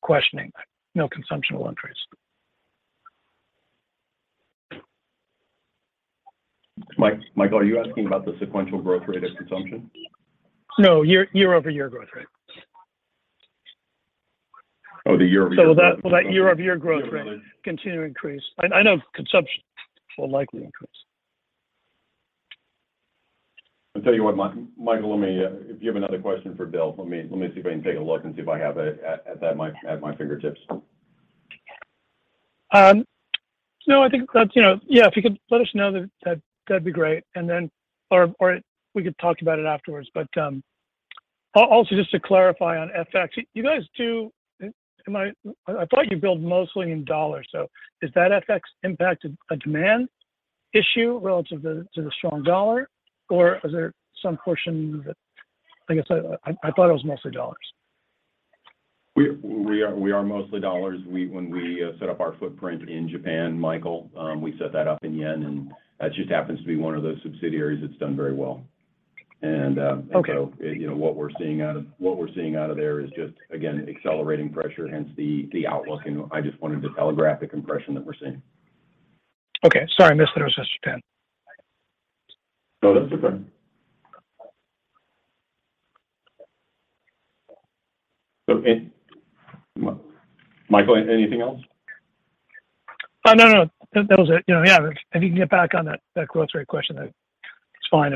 questioning. No, consumption will increase. Michael, are you asking about the sequential growth rate of consumption? No, year-over-year growth rate. Oh, the year-over-year consumption. Will that year-over-year growth rate continue to increase? I know consumption will likely increase. I'll tell you what, Michael, let me if you have another question for Bill, let me see if I can take a look and see if I have it at my fingertips. No, I think that's, you know. Yeah, if you could let us know that'd be great. We could talk about it afterwards. Also just to clarify on FX. You guys do, am I. I thought you billed mostly in dollars. Is that FX impact a demand issue relative to the strong dollar, or is there some portion that I guess I thought it was mostly dollars. We are mostly dollars. When we set up our footprint in Japan, Michael, we set that up in yen, and that just happens to be one of those subsidiaries that's done very well. Okay. You know, what we're seeing out of there is just again accelerating pressure, hence the outlook. I just wanted to telegraph the compression that we're seeing. Okay. Sorry, I missed that. It was just 10. No, that's okay. Michael, anything else? No. That was it. You know, yeah, if you can get back on that growth rate question, that's fine.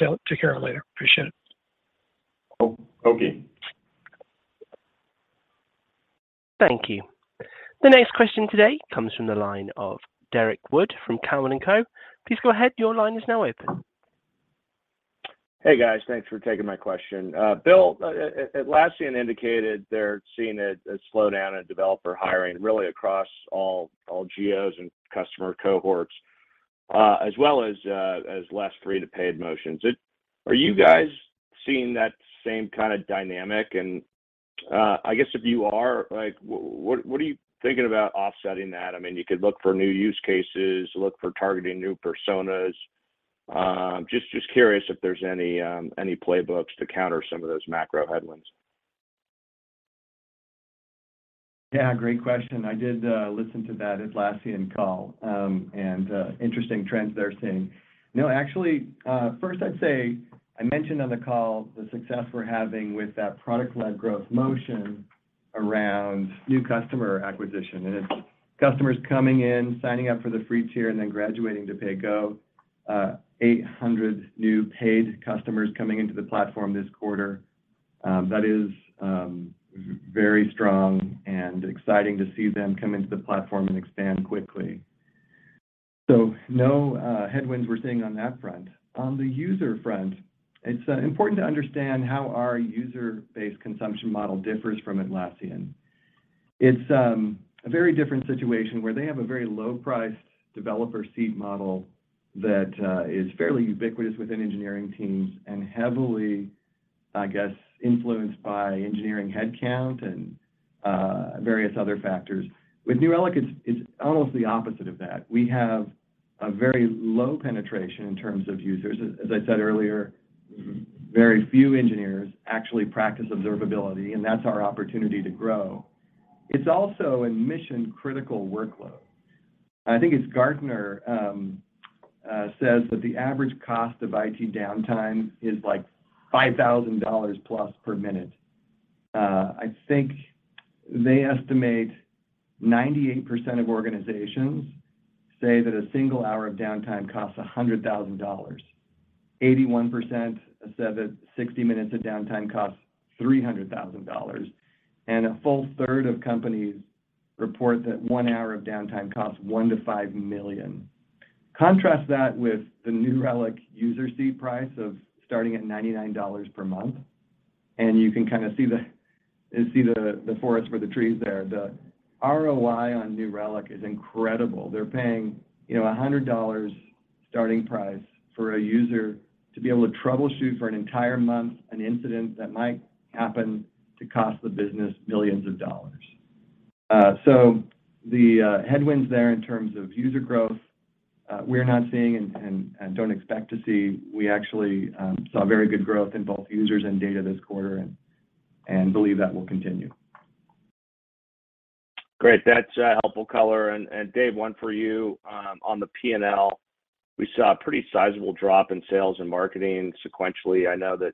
If not, we'll take care of it later. Appreciate it. O-okay. Thank you. The next question today comes from the line of Derrick Wood from Cowen and Company. Please go ahead. Your line is now open. Hey, guys. Thanks for taking my question. Bill, Atlassian indicated they're seeing a slowdown in developer hiring really across all geos and customer cohorts, as well as less free to paid motions. Are you guys seeing that same kinda dynamic? I guess if you are, like what are you thinking about offsetting that? I mean, you could look for new use cases, look for targeting new personas. Just curious if there's any playbooks to counter some of those macro headwinds. Yeah, great question. I did listen to that Atlassian call, and interesting trends they're seeing. No, actually, first I'd say I mentioned on the call the success we're having with that product-led growth motion around new customer acquisition. It's customers coming in, signing up for the free tier, and then graduating to pay go. 800 new paid customers coming into the platform this quarter. That is very strong and exciting to see them come into the platform and expand quickly. No headwinds we're seeing on that front. On the user front, it's important to understand how our user-based consumption model differs from Atlassian. It's a very different situation, where they have a very low-priced developer seed model that is fairly ubiquitous within engineering teams and heavily, I guess, influenced by engineering headcount and various other factors. With New Relic, it's almost the opposite of that. We have a very low penetration in terms of users. As I said earlier, very few engineers actually practice observability, and that's our opportunity to grow. It's also a mission-critical workload. I think it's Gartner says that the average cost of IT downtime is like $5,000+ per minute. I think they estimate 98% of organizations say that a single hour of downtime costs $100,000. 81% said that 60 minutes of downtime costs $300,000. A full third of companies report that one hour of downtime costs $1 million-$5 million. Contrast that with the New Relic user seat price of starting at $99 per month, and you can kind of see the forest for the trees there. The ROI on New Relic is incredible. They're paying, you know, $100 starting price for a user to be able to troubleshoot for an entire month an incident that might happen to cost the business millions of dollars. The headwinds there in terms of user growth, we're not seeing and don't expect to see. We actually saw very good growth in both users and data this quarter and believe that will continue. Great. That's helpful color. David, one for you on the P&L. We saw a pretty sizable drop in sales and marketing sequentially. I know that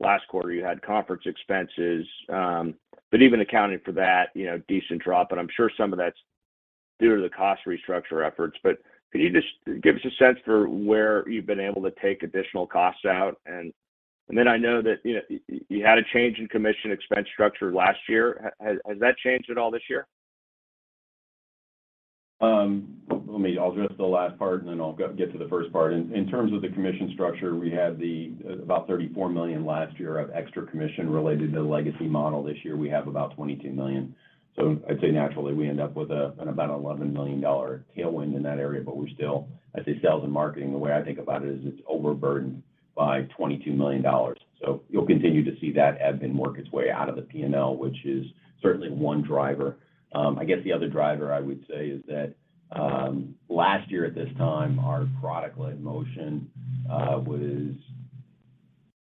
last quarter you had conference expenses, but even accounting for that, you know, decent drop, but I'm sure some of that's due to the cost restructure efforts. Can you just give us a sense for where you've been able to take additional costs out? Then I know that, you know, you had a change in commission expense structure last year. Has that changed at all this year? I'll address the last part, and then I'll get to the first part. In terms of the commission structure, we had about $34 million last year of extra commission related to the legacy model. This year, we have about $22 million. I'd say naturally, we end up with about $11 million tailwind in that area, but we're still. I'd say sales and marketing, the way I think about it, is overburdened by $22 million. You'll continue to see that ebb and work its way out of the P&L, which is certainly one driver. I guess the other driver I would say is that last year at this time, our product-led motion was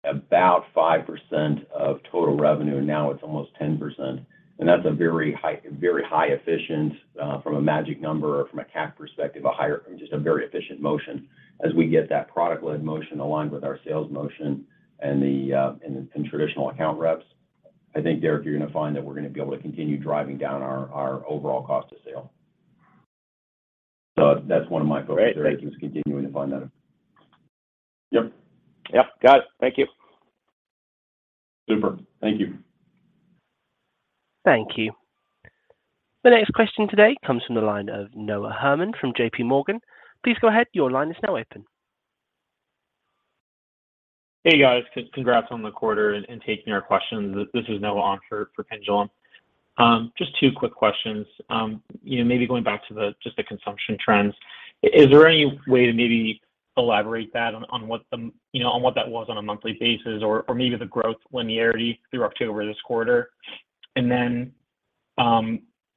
about 5% of total revenue, and now it's almost 10%. That's a very highly efficient, from a magic number or from a CAC perspective, just a very efficient motion. As we get that product-led motion aligned with our sales motion and the traditional account reps, I think, Derrick, you're gonna be able to continue driving down our overall cost of sale. That's one of my focal points. Great. Continuing to find that. Yep. Yep. Got it. Thank you. Super. Thank you. Thank you. The next question today comes from the line of Noah Herman from JP Morgan. Please go ahead. Your line is now open. Hey, guys. Congrats on the quarter and taking our questions. This is Noah on for Pinjalim Bora. Just two quick questions. You know, maybe going back to just the consumption trends. Is there any way to maybe elaborate on what that was on a monthly basis or maybe the growth linearity through October this quarter?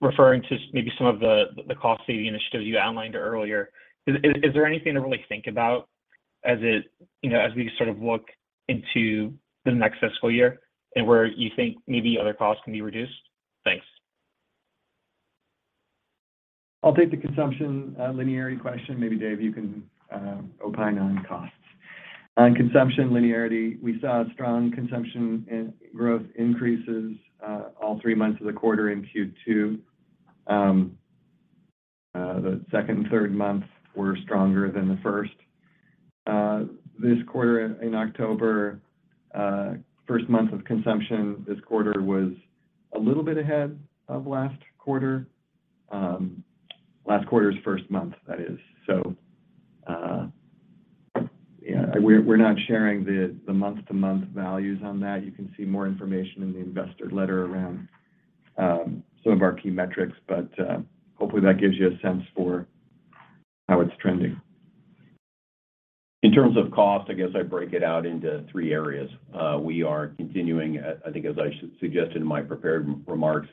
Referring to maybe some of the cost-saving initiatives you outlined earlier, is there anything to really think about, you know, as we sort of look into the next fiscal year and where you think maybe other costs can be reduced? Thanks. I'll take the consumption linearity question. Maybe Dave, you can opine on costs. On consumption linearity, we saw strong consumption and growth increases all three months of the quarter in Q2. The second and third months were stronger than the first. This quarter in October, first month of consumption this quarter was a little bit ahead of last quarter. Last quarter's first month, that is. Yeah, we're not sharing the month-to-month values on that. You can see more information in the investor letter around some of our key metrics, but hopefully that gives you a sense for how it's trending. In terms of cost, I guess I break it out into three areas. We are continuing, I think as I suggested in my prepared remarks,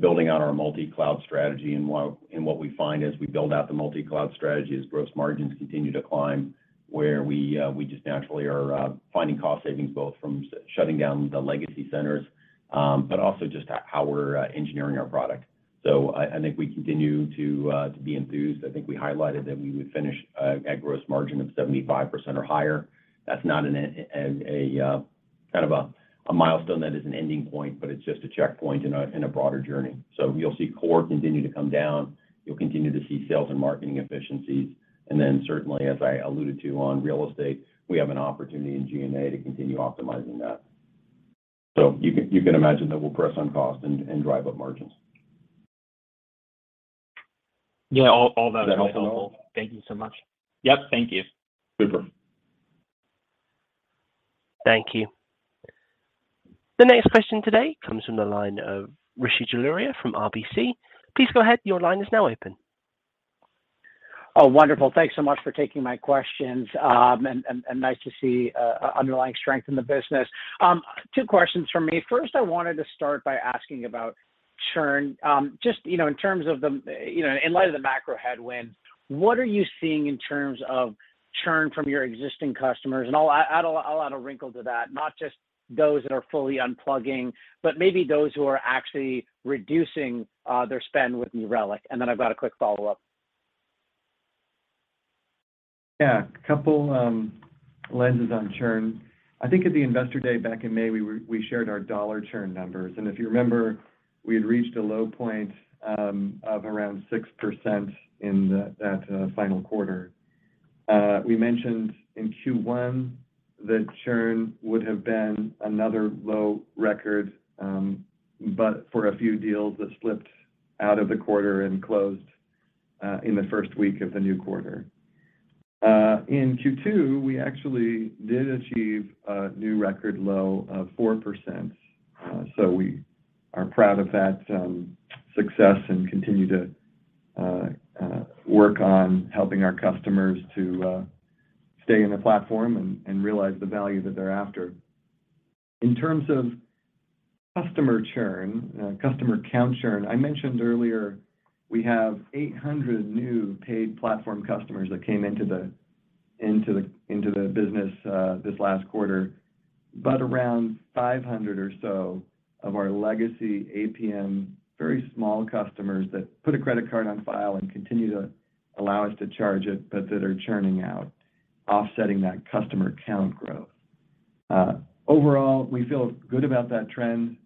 building out our multi-cloud strategy. What we find as we build out the multi-cloud strategy is gross margins continue to climb where we just naturally are finding cost savings, both from shutting down the legacy centers, but also just how we're engineering our product. I think we continue to be enthused. I think we highlighted that we would finish a gross margin of 75% or higher. That's not a kind of a milestone that is an ending point, but it's just a checkpoint in a broader journey. You'll see core continue to come down. You'll continue to see sales and marketing efficiencies. Then certainly, as I alluded to on real estate, we have an opportunity in G&A to continue optimizing that. You can imagine that we'll press on cost and drive up margins. Yeah, all that is helpful. Does that help at all? Thank you so much. Yep. Thank you. Super. Thank you. The next question today comes from the line of Rishi Jaluria from RBC. Please go ahead. Your line is now open. Oh, wonderful. Thanks so much for taking my questions. Nice to see underlying strength in the business. Two questions from me. First, I wanted to start by asking about churn. Just, you know, in terms of the, you know, in light of the macro headwinds, what are you seeing in terms of churn from your existing customers, and I'll add a wrinkle to that, not just those that are fully unplugging, but maybe those who are actually reducing their spend with New Relic. Then I've got a quick follow-up. Yeah. A couple lenses on churn. I think at the Investor Day back in May, we shared our dollar churn numbers. If you remember, we had reached a low point of around 6% in that final quarter. We mentioned in Q1 that churn would have been another low record, but for a few deals that slipped out of the quarter and closed in the first week of the new quarter. In Q2, we actually did achieve a new record low of 4%. We are proud of that success and continue to work on helping our customers to stay in the platform and realize the value that they're after. In terms of customer churn, customer count churn, I mentioned earlier we have 800 new paid platform customers that came into the business this last quarter. Around 500 or so of our legacy APM, very small customers that put a credit card on file and continue to allow us to charge it, but that are churning out, offsetting that customer count growth. Overall, we feel good about that trend,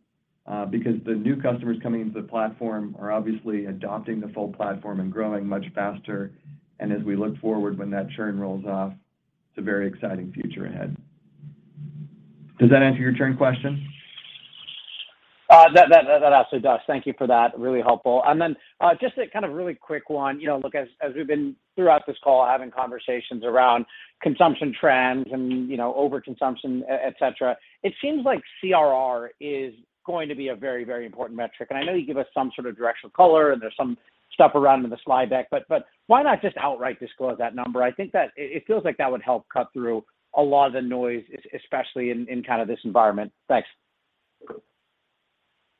because the new customers coming into the platform are obviously adopting the full platform and growing much faster. As we look forward when that churn rolls off, it's a very exciting future ahead. Does that answer your churn question? That absolutely does. Thank you for that. Really helpful. Then just a kind of really quick one. You know, as we've been throughout this call having conversations around consumption trends and, you know, overconsumption, et cetera, it seems like CRR is going to be a very, very important metric. I know you give us some sort of directional color, and there's some stuff around in the slide deck, but why not just outright disclose that number? I think that it feels like that would help cut through a lot of the noise, especially in kind of this environment. Thanks.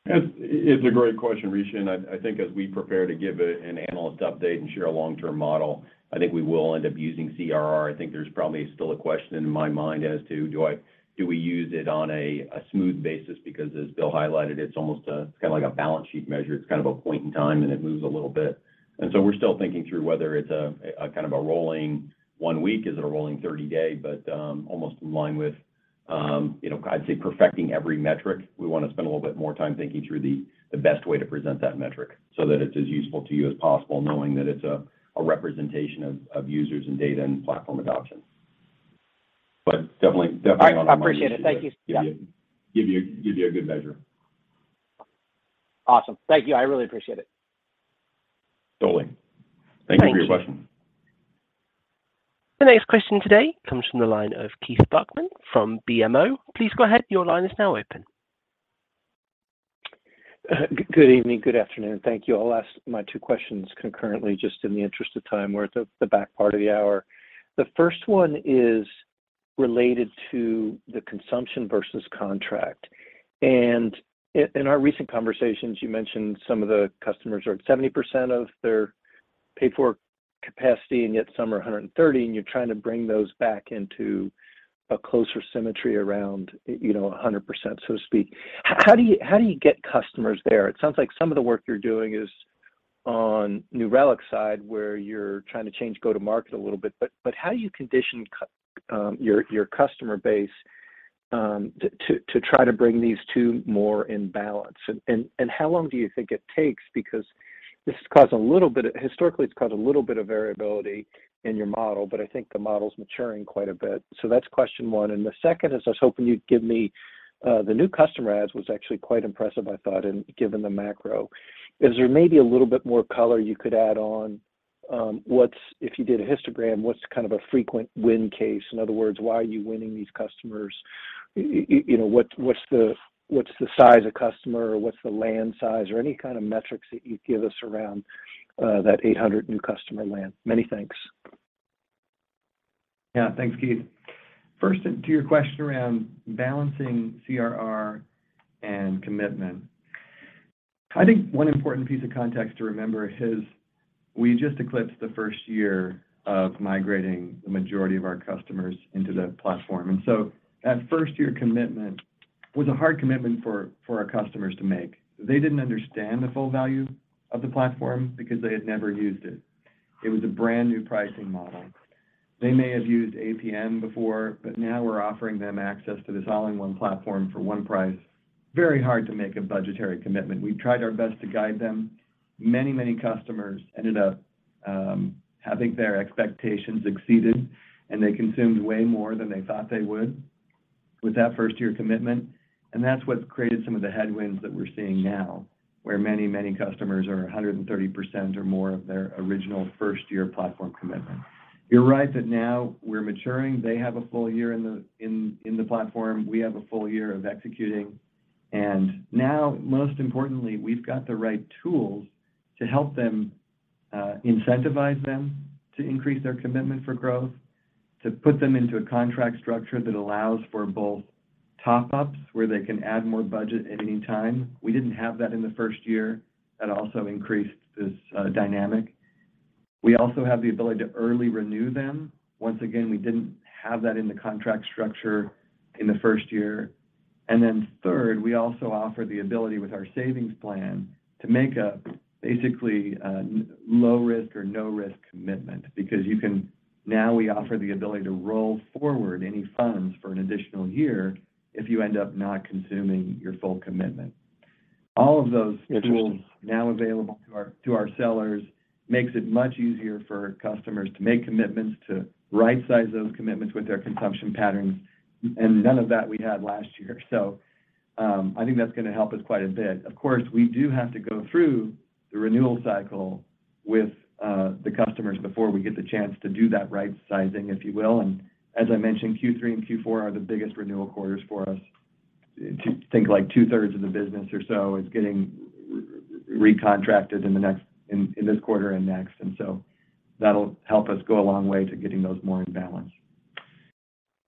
It's a great question, Rishi, and I think as we prepare to give an analyst update and share a long-term model, I think we will end up using CRR. I think there's probably still a question in my mind as to do we use it on a smooth basis because as Bill highlighted, it's almost, it's kinda like a balance sheet measure. It's kind of a point in time, and it moves a little bit. We're still thinking through whether it's a kind of rolling one week. Is it a rolling 30-day? Almost in line with, you know, I'd say perfecting every metric. We wanna spend a little bit more time thinking through the best way to present that metric so that it's as useful to you as possible, knowing that it's a representation of users and data and platform adoption. Definitely on our mind as we give- I appreciate it. Thank you. Yeah. Give you a good measure. Awesome. Thank you. I really appreciate it. Totally. Thank you for your question. Thank you. The next question today comes from the line of Keith Bachman from BMO. Please go ahead. Your line is now open. Good evening. Good afternoon. Thank you. I'll ask my two questions concurrently just in the interest of time. We're at the back part of the hour. The first one is related to the consumption versus contract. In our recent conversations, you mentioned some of the customers are at 70% of their pay for capacity, and yet some are at 130%, and you're trying to bring those back into a closer symmetry around, you know, 100%, so to speak. How do you get customers there? It sounds like some of the work you're doing is on New Relic's side, where you're trying to change go-to-market a little bit, but how do you condition your customer base to try to bring these two more in balance? How long do you think it takes? Because this has caused a little bit of variability in your model historically, but I think the model's maturing quite a bit. That's question one. The second is I was hoping you'd give me the new customer adds was actually quite impressive, I thought, and given the macro. Is there maybe a little bit more color you could add on what's if you did a histogram, what's kind of a frequent win case? In other words, why are you winning these customers? You know, what's the size of customer, or what's the land size or any kind of metrics that you'd give us around that 800 new customer land? Many thanks. Yeah. Thanks, Keith. First, to your question around balancing CRR and commitment, I think one important piece of context to remember is we just eclipsed the first year of migrating the majority of our customers into the platform. That first year commitment was a hard commitment for our customers to make. They didn't understand the full value of the platform because they had never used it. It was a brand-new pricing model. They may have used APM before, but now we're offering them access to this all-in-one platform for one price. Very hard to make a budgetary commitment. We tried our best to guide them. Many, many customers ended up having their expectations exceeded, and they consumed way more than they thought they would with that first year commitment. That's what's created some of the headwinds that we're seeing now, where many customers are 130% or more of their original first-year platform commitment. You're right that now we're maturing. They have a full in the platform. We have a full of executing. Now, most importantly, we've got the right tools to help them incentivize them to increase their commitment for growth, to put them into a contract structure that allows for both top ups where they can add more budget at any time. We didn't have that in the first year. That also increased this dynamic. We also have the ability to early renew them. Once again, we didn't have that in the contract structure in the first year. Third, we also offer the ability with our savings plan to make a, basically, a low risk or no risk commitment because now we offer the ability to roll forward any funds for an additional year if you end up not consuming your full commitment. All of those tools. Interesting Now available to our sellers makes it much easier for customers to make commitments, to rightsize those commitments with their consumption patterns, and none of that we had last year. I think that's gonna help us quite a bit. Of course, we do have to go through the renewal cycle with the customers before we get the chance to do that rightsizing, if you will. As I mentioned, Q3 and Q4 are the biggest renewal quarters for us. Think, like, two-thirds of the business or so is getting recontracted in this quarter and next. That'll help us go a long way to getting those more in balance.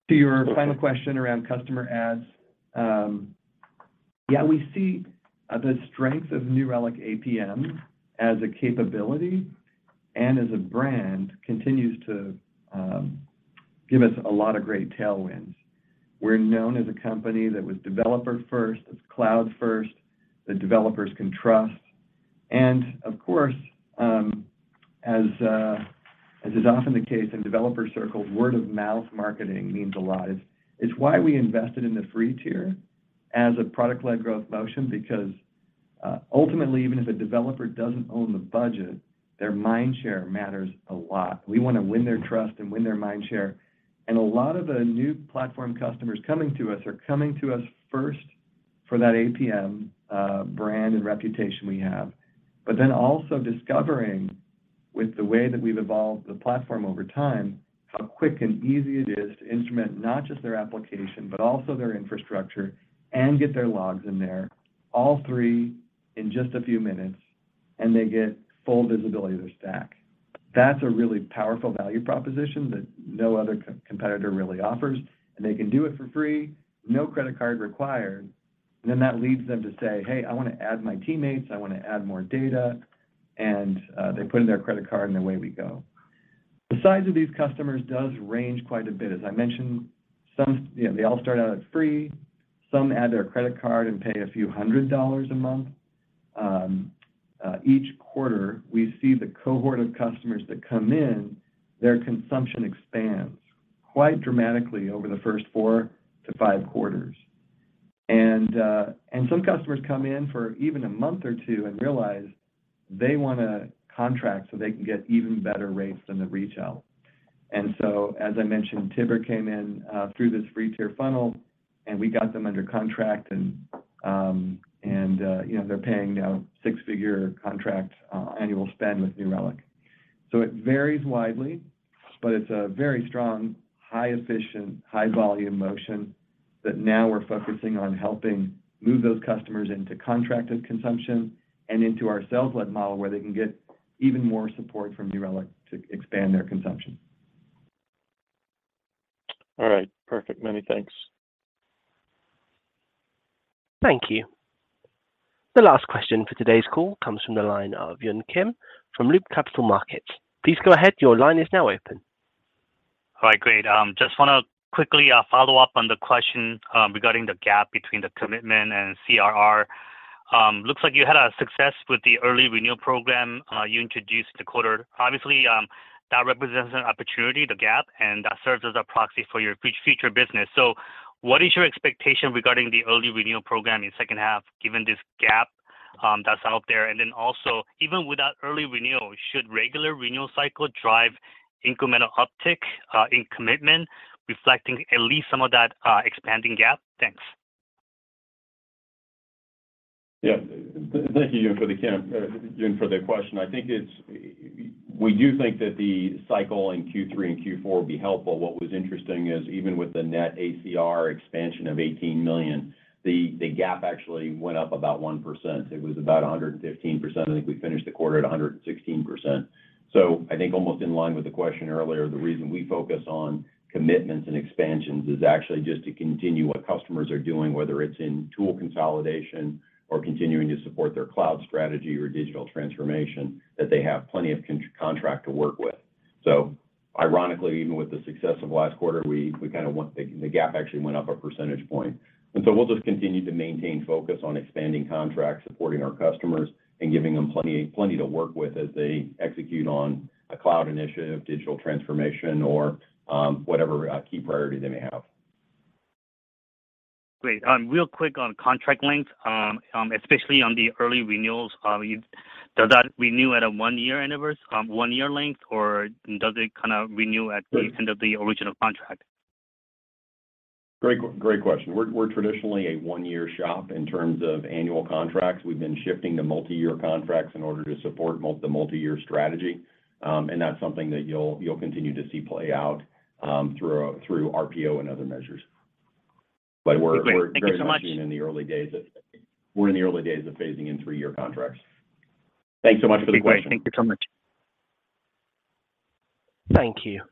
To your final question around customer adds, we see the strength of New Relic APM as a capability and as a brand continues to give us a lot of great tailwinds. We're known as a company that was developer-first, that's cloud-first, that developers can trust. Of course, as is often the case in developer circles, word-of-mouth marketing means a lot. It's why we invested in the free tier as a product-led growth motion because ultimately, even if a developer doesn't own the budget, their mind share matters a lot. We wanna win their trust and win their mind share. A lot of the new platform customers coming to us are coming to us first for that APM brand and reputation we have, but then also discovering with the way that we've evolved the platform over time, how quick and easy it is to instrument not just their application, but also their infrastructure and get their logs in there, all three in just a few minutes, and they get full visibility of their stack. That's a really powerful value proposition that no other competitor really offers. They can do it for free, no credit card required. That leads them to say, "Hey, I wanna add my teammates. I wanna add more data." They put in their credit card, and away we go. The size of these customers does range quite a bit. As I mentioned, you know, they all start out at free. Some add their credit card and pay a few hundred dollars a month. Each quarter, we see the cohort of customers that come in, their consumption expands quite dramatically over the first four to five quarters. Some customers come in for even a month or two and realize they want a contract so they can get even better rates than the retail. As I mentioned, Tibber came in through this free tier funnel, and we got them under contract, and you know, they're paying now six-figure contract annual spend with New Relic. It varies widely, but it's a very highly efficient, high volume motion that now we're focusing on helping move those customers into contracted consumption and into our sales-led model where they can get even more support from New Relic to expand their consumption. All right. Perfect. Many thanks. Thank you. The last question for today's call comes from the line of Yun Kim from Loop Capital Markets. Please go ahead. Your line is now open. All right. Great. Just wanna quickly follow up on the question regarding the gap between the commitment and CRR. Looks like you had a success with the early renewal program you introduced the quarter. Obviously, that represents an opportunity, the gap, and that serves as a proxy for your future business. What is your expectation regarding the early renewal program in second half, given this gap that's out there? Also, even without early renewal, should regular renewal cycle drive incremental uptick in commitment, reflecting at least some of that expanding gap? Thanks. Yeah. Thank you, Yun, for the question. I think we do think that the cycle in Q3 and Q4 will be helpful. What was interesting is even with the net ACR expansion of $18 million, the gap actually went up about 1%. It was about 115%. I think we finished the quarter at 116%. I think almost in line with the question earlier, the reason we focus on commitments and expansions is actually just to continue what customers are doing, whether it's in tool consolidation or continuing to support their cloud strategy or digital transformation that they have plenty of contract to work with. Ironically, even with the success of last quarter, we kinda want. The gap actually went up a percentage point. We'll just continue to maintain focus on expanding contracts, supporting our customers, and giving them plenty to work with as they execute on a cloud initiative, digital transformation or whatever key priority they may have. Great. Real quick on contract length, especially on the early renewals, does that renew at a one-year anniversary, one-year length, or does it kinda renew at the end of the original contract? Great question. We're traditionally a one-year shop in terms of annual contracts. We've been shifting to multi-year contracts in order to support the multi-year strategy. That's something that you'll continue to see play out through RPO and other measures. We're very much. Quick. Thank you so much We're in the early days of phasing in three-year contracts. Thanks so much for the question. Okay. Great. Thank you so much. Thank you.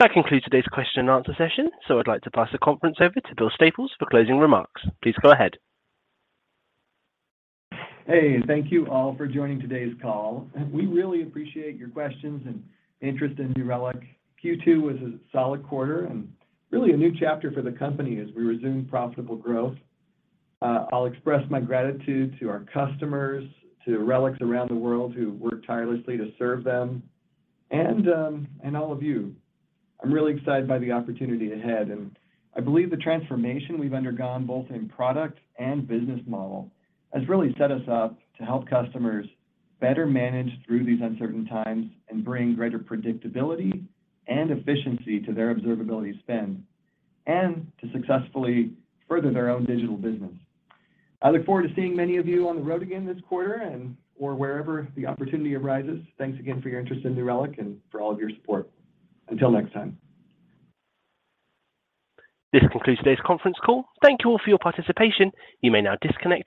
That concludes today's question and answer session, so I'd like to pass the conference over to Bill Staples for closing remarks. Please go ahead. Hey, thank you all for joining today's call. We really appreciate your questions and interest in New Relic. Q2 was a solid quarter and really a new chapter for the company as we resume profitable growth. I'll express my gratitude to our customers, to Relics around the world who work tirelessly to serve them and all of you. I'm really excited by the opportunity ahead, and I believe the transformation we've undergone, both in product and business model, has really set us up to help customers better manage through these uncertain times and bring greater predictability and efficiency to their observability spend and to successfully further their own digital business. I look forward to seeing many of you on the road again this quarter and/or wherever the opportunity arises. Thanks again for your interest in New Relic and for all of your support. Until next time. This concludes today's conference call. Thank you all for your participation. You may now disconnect your-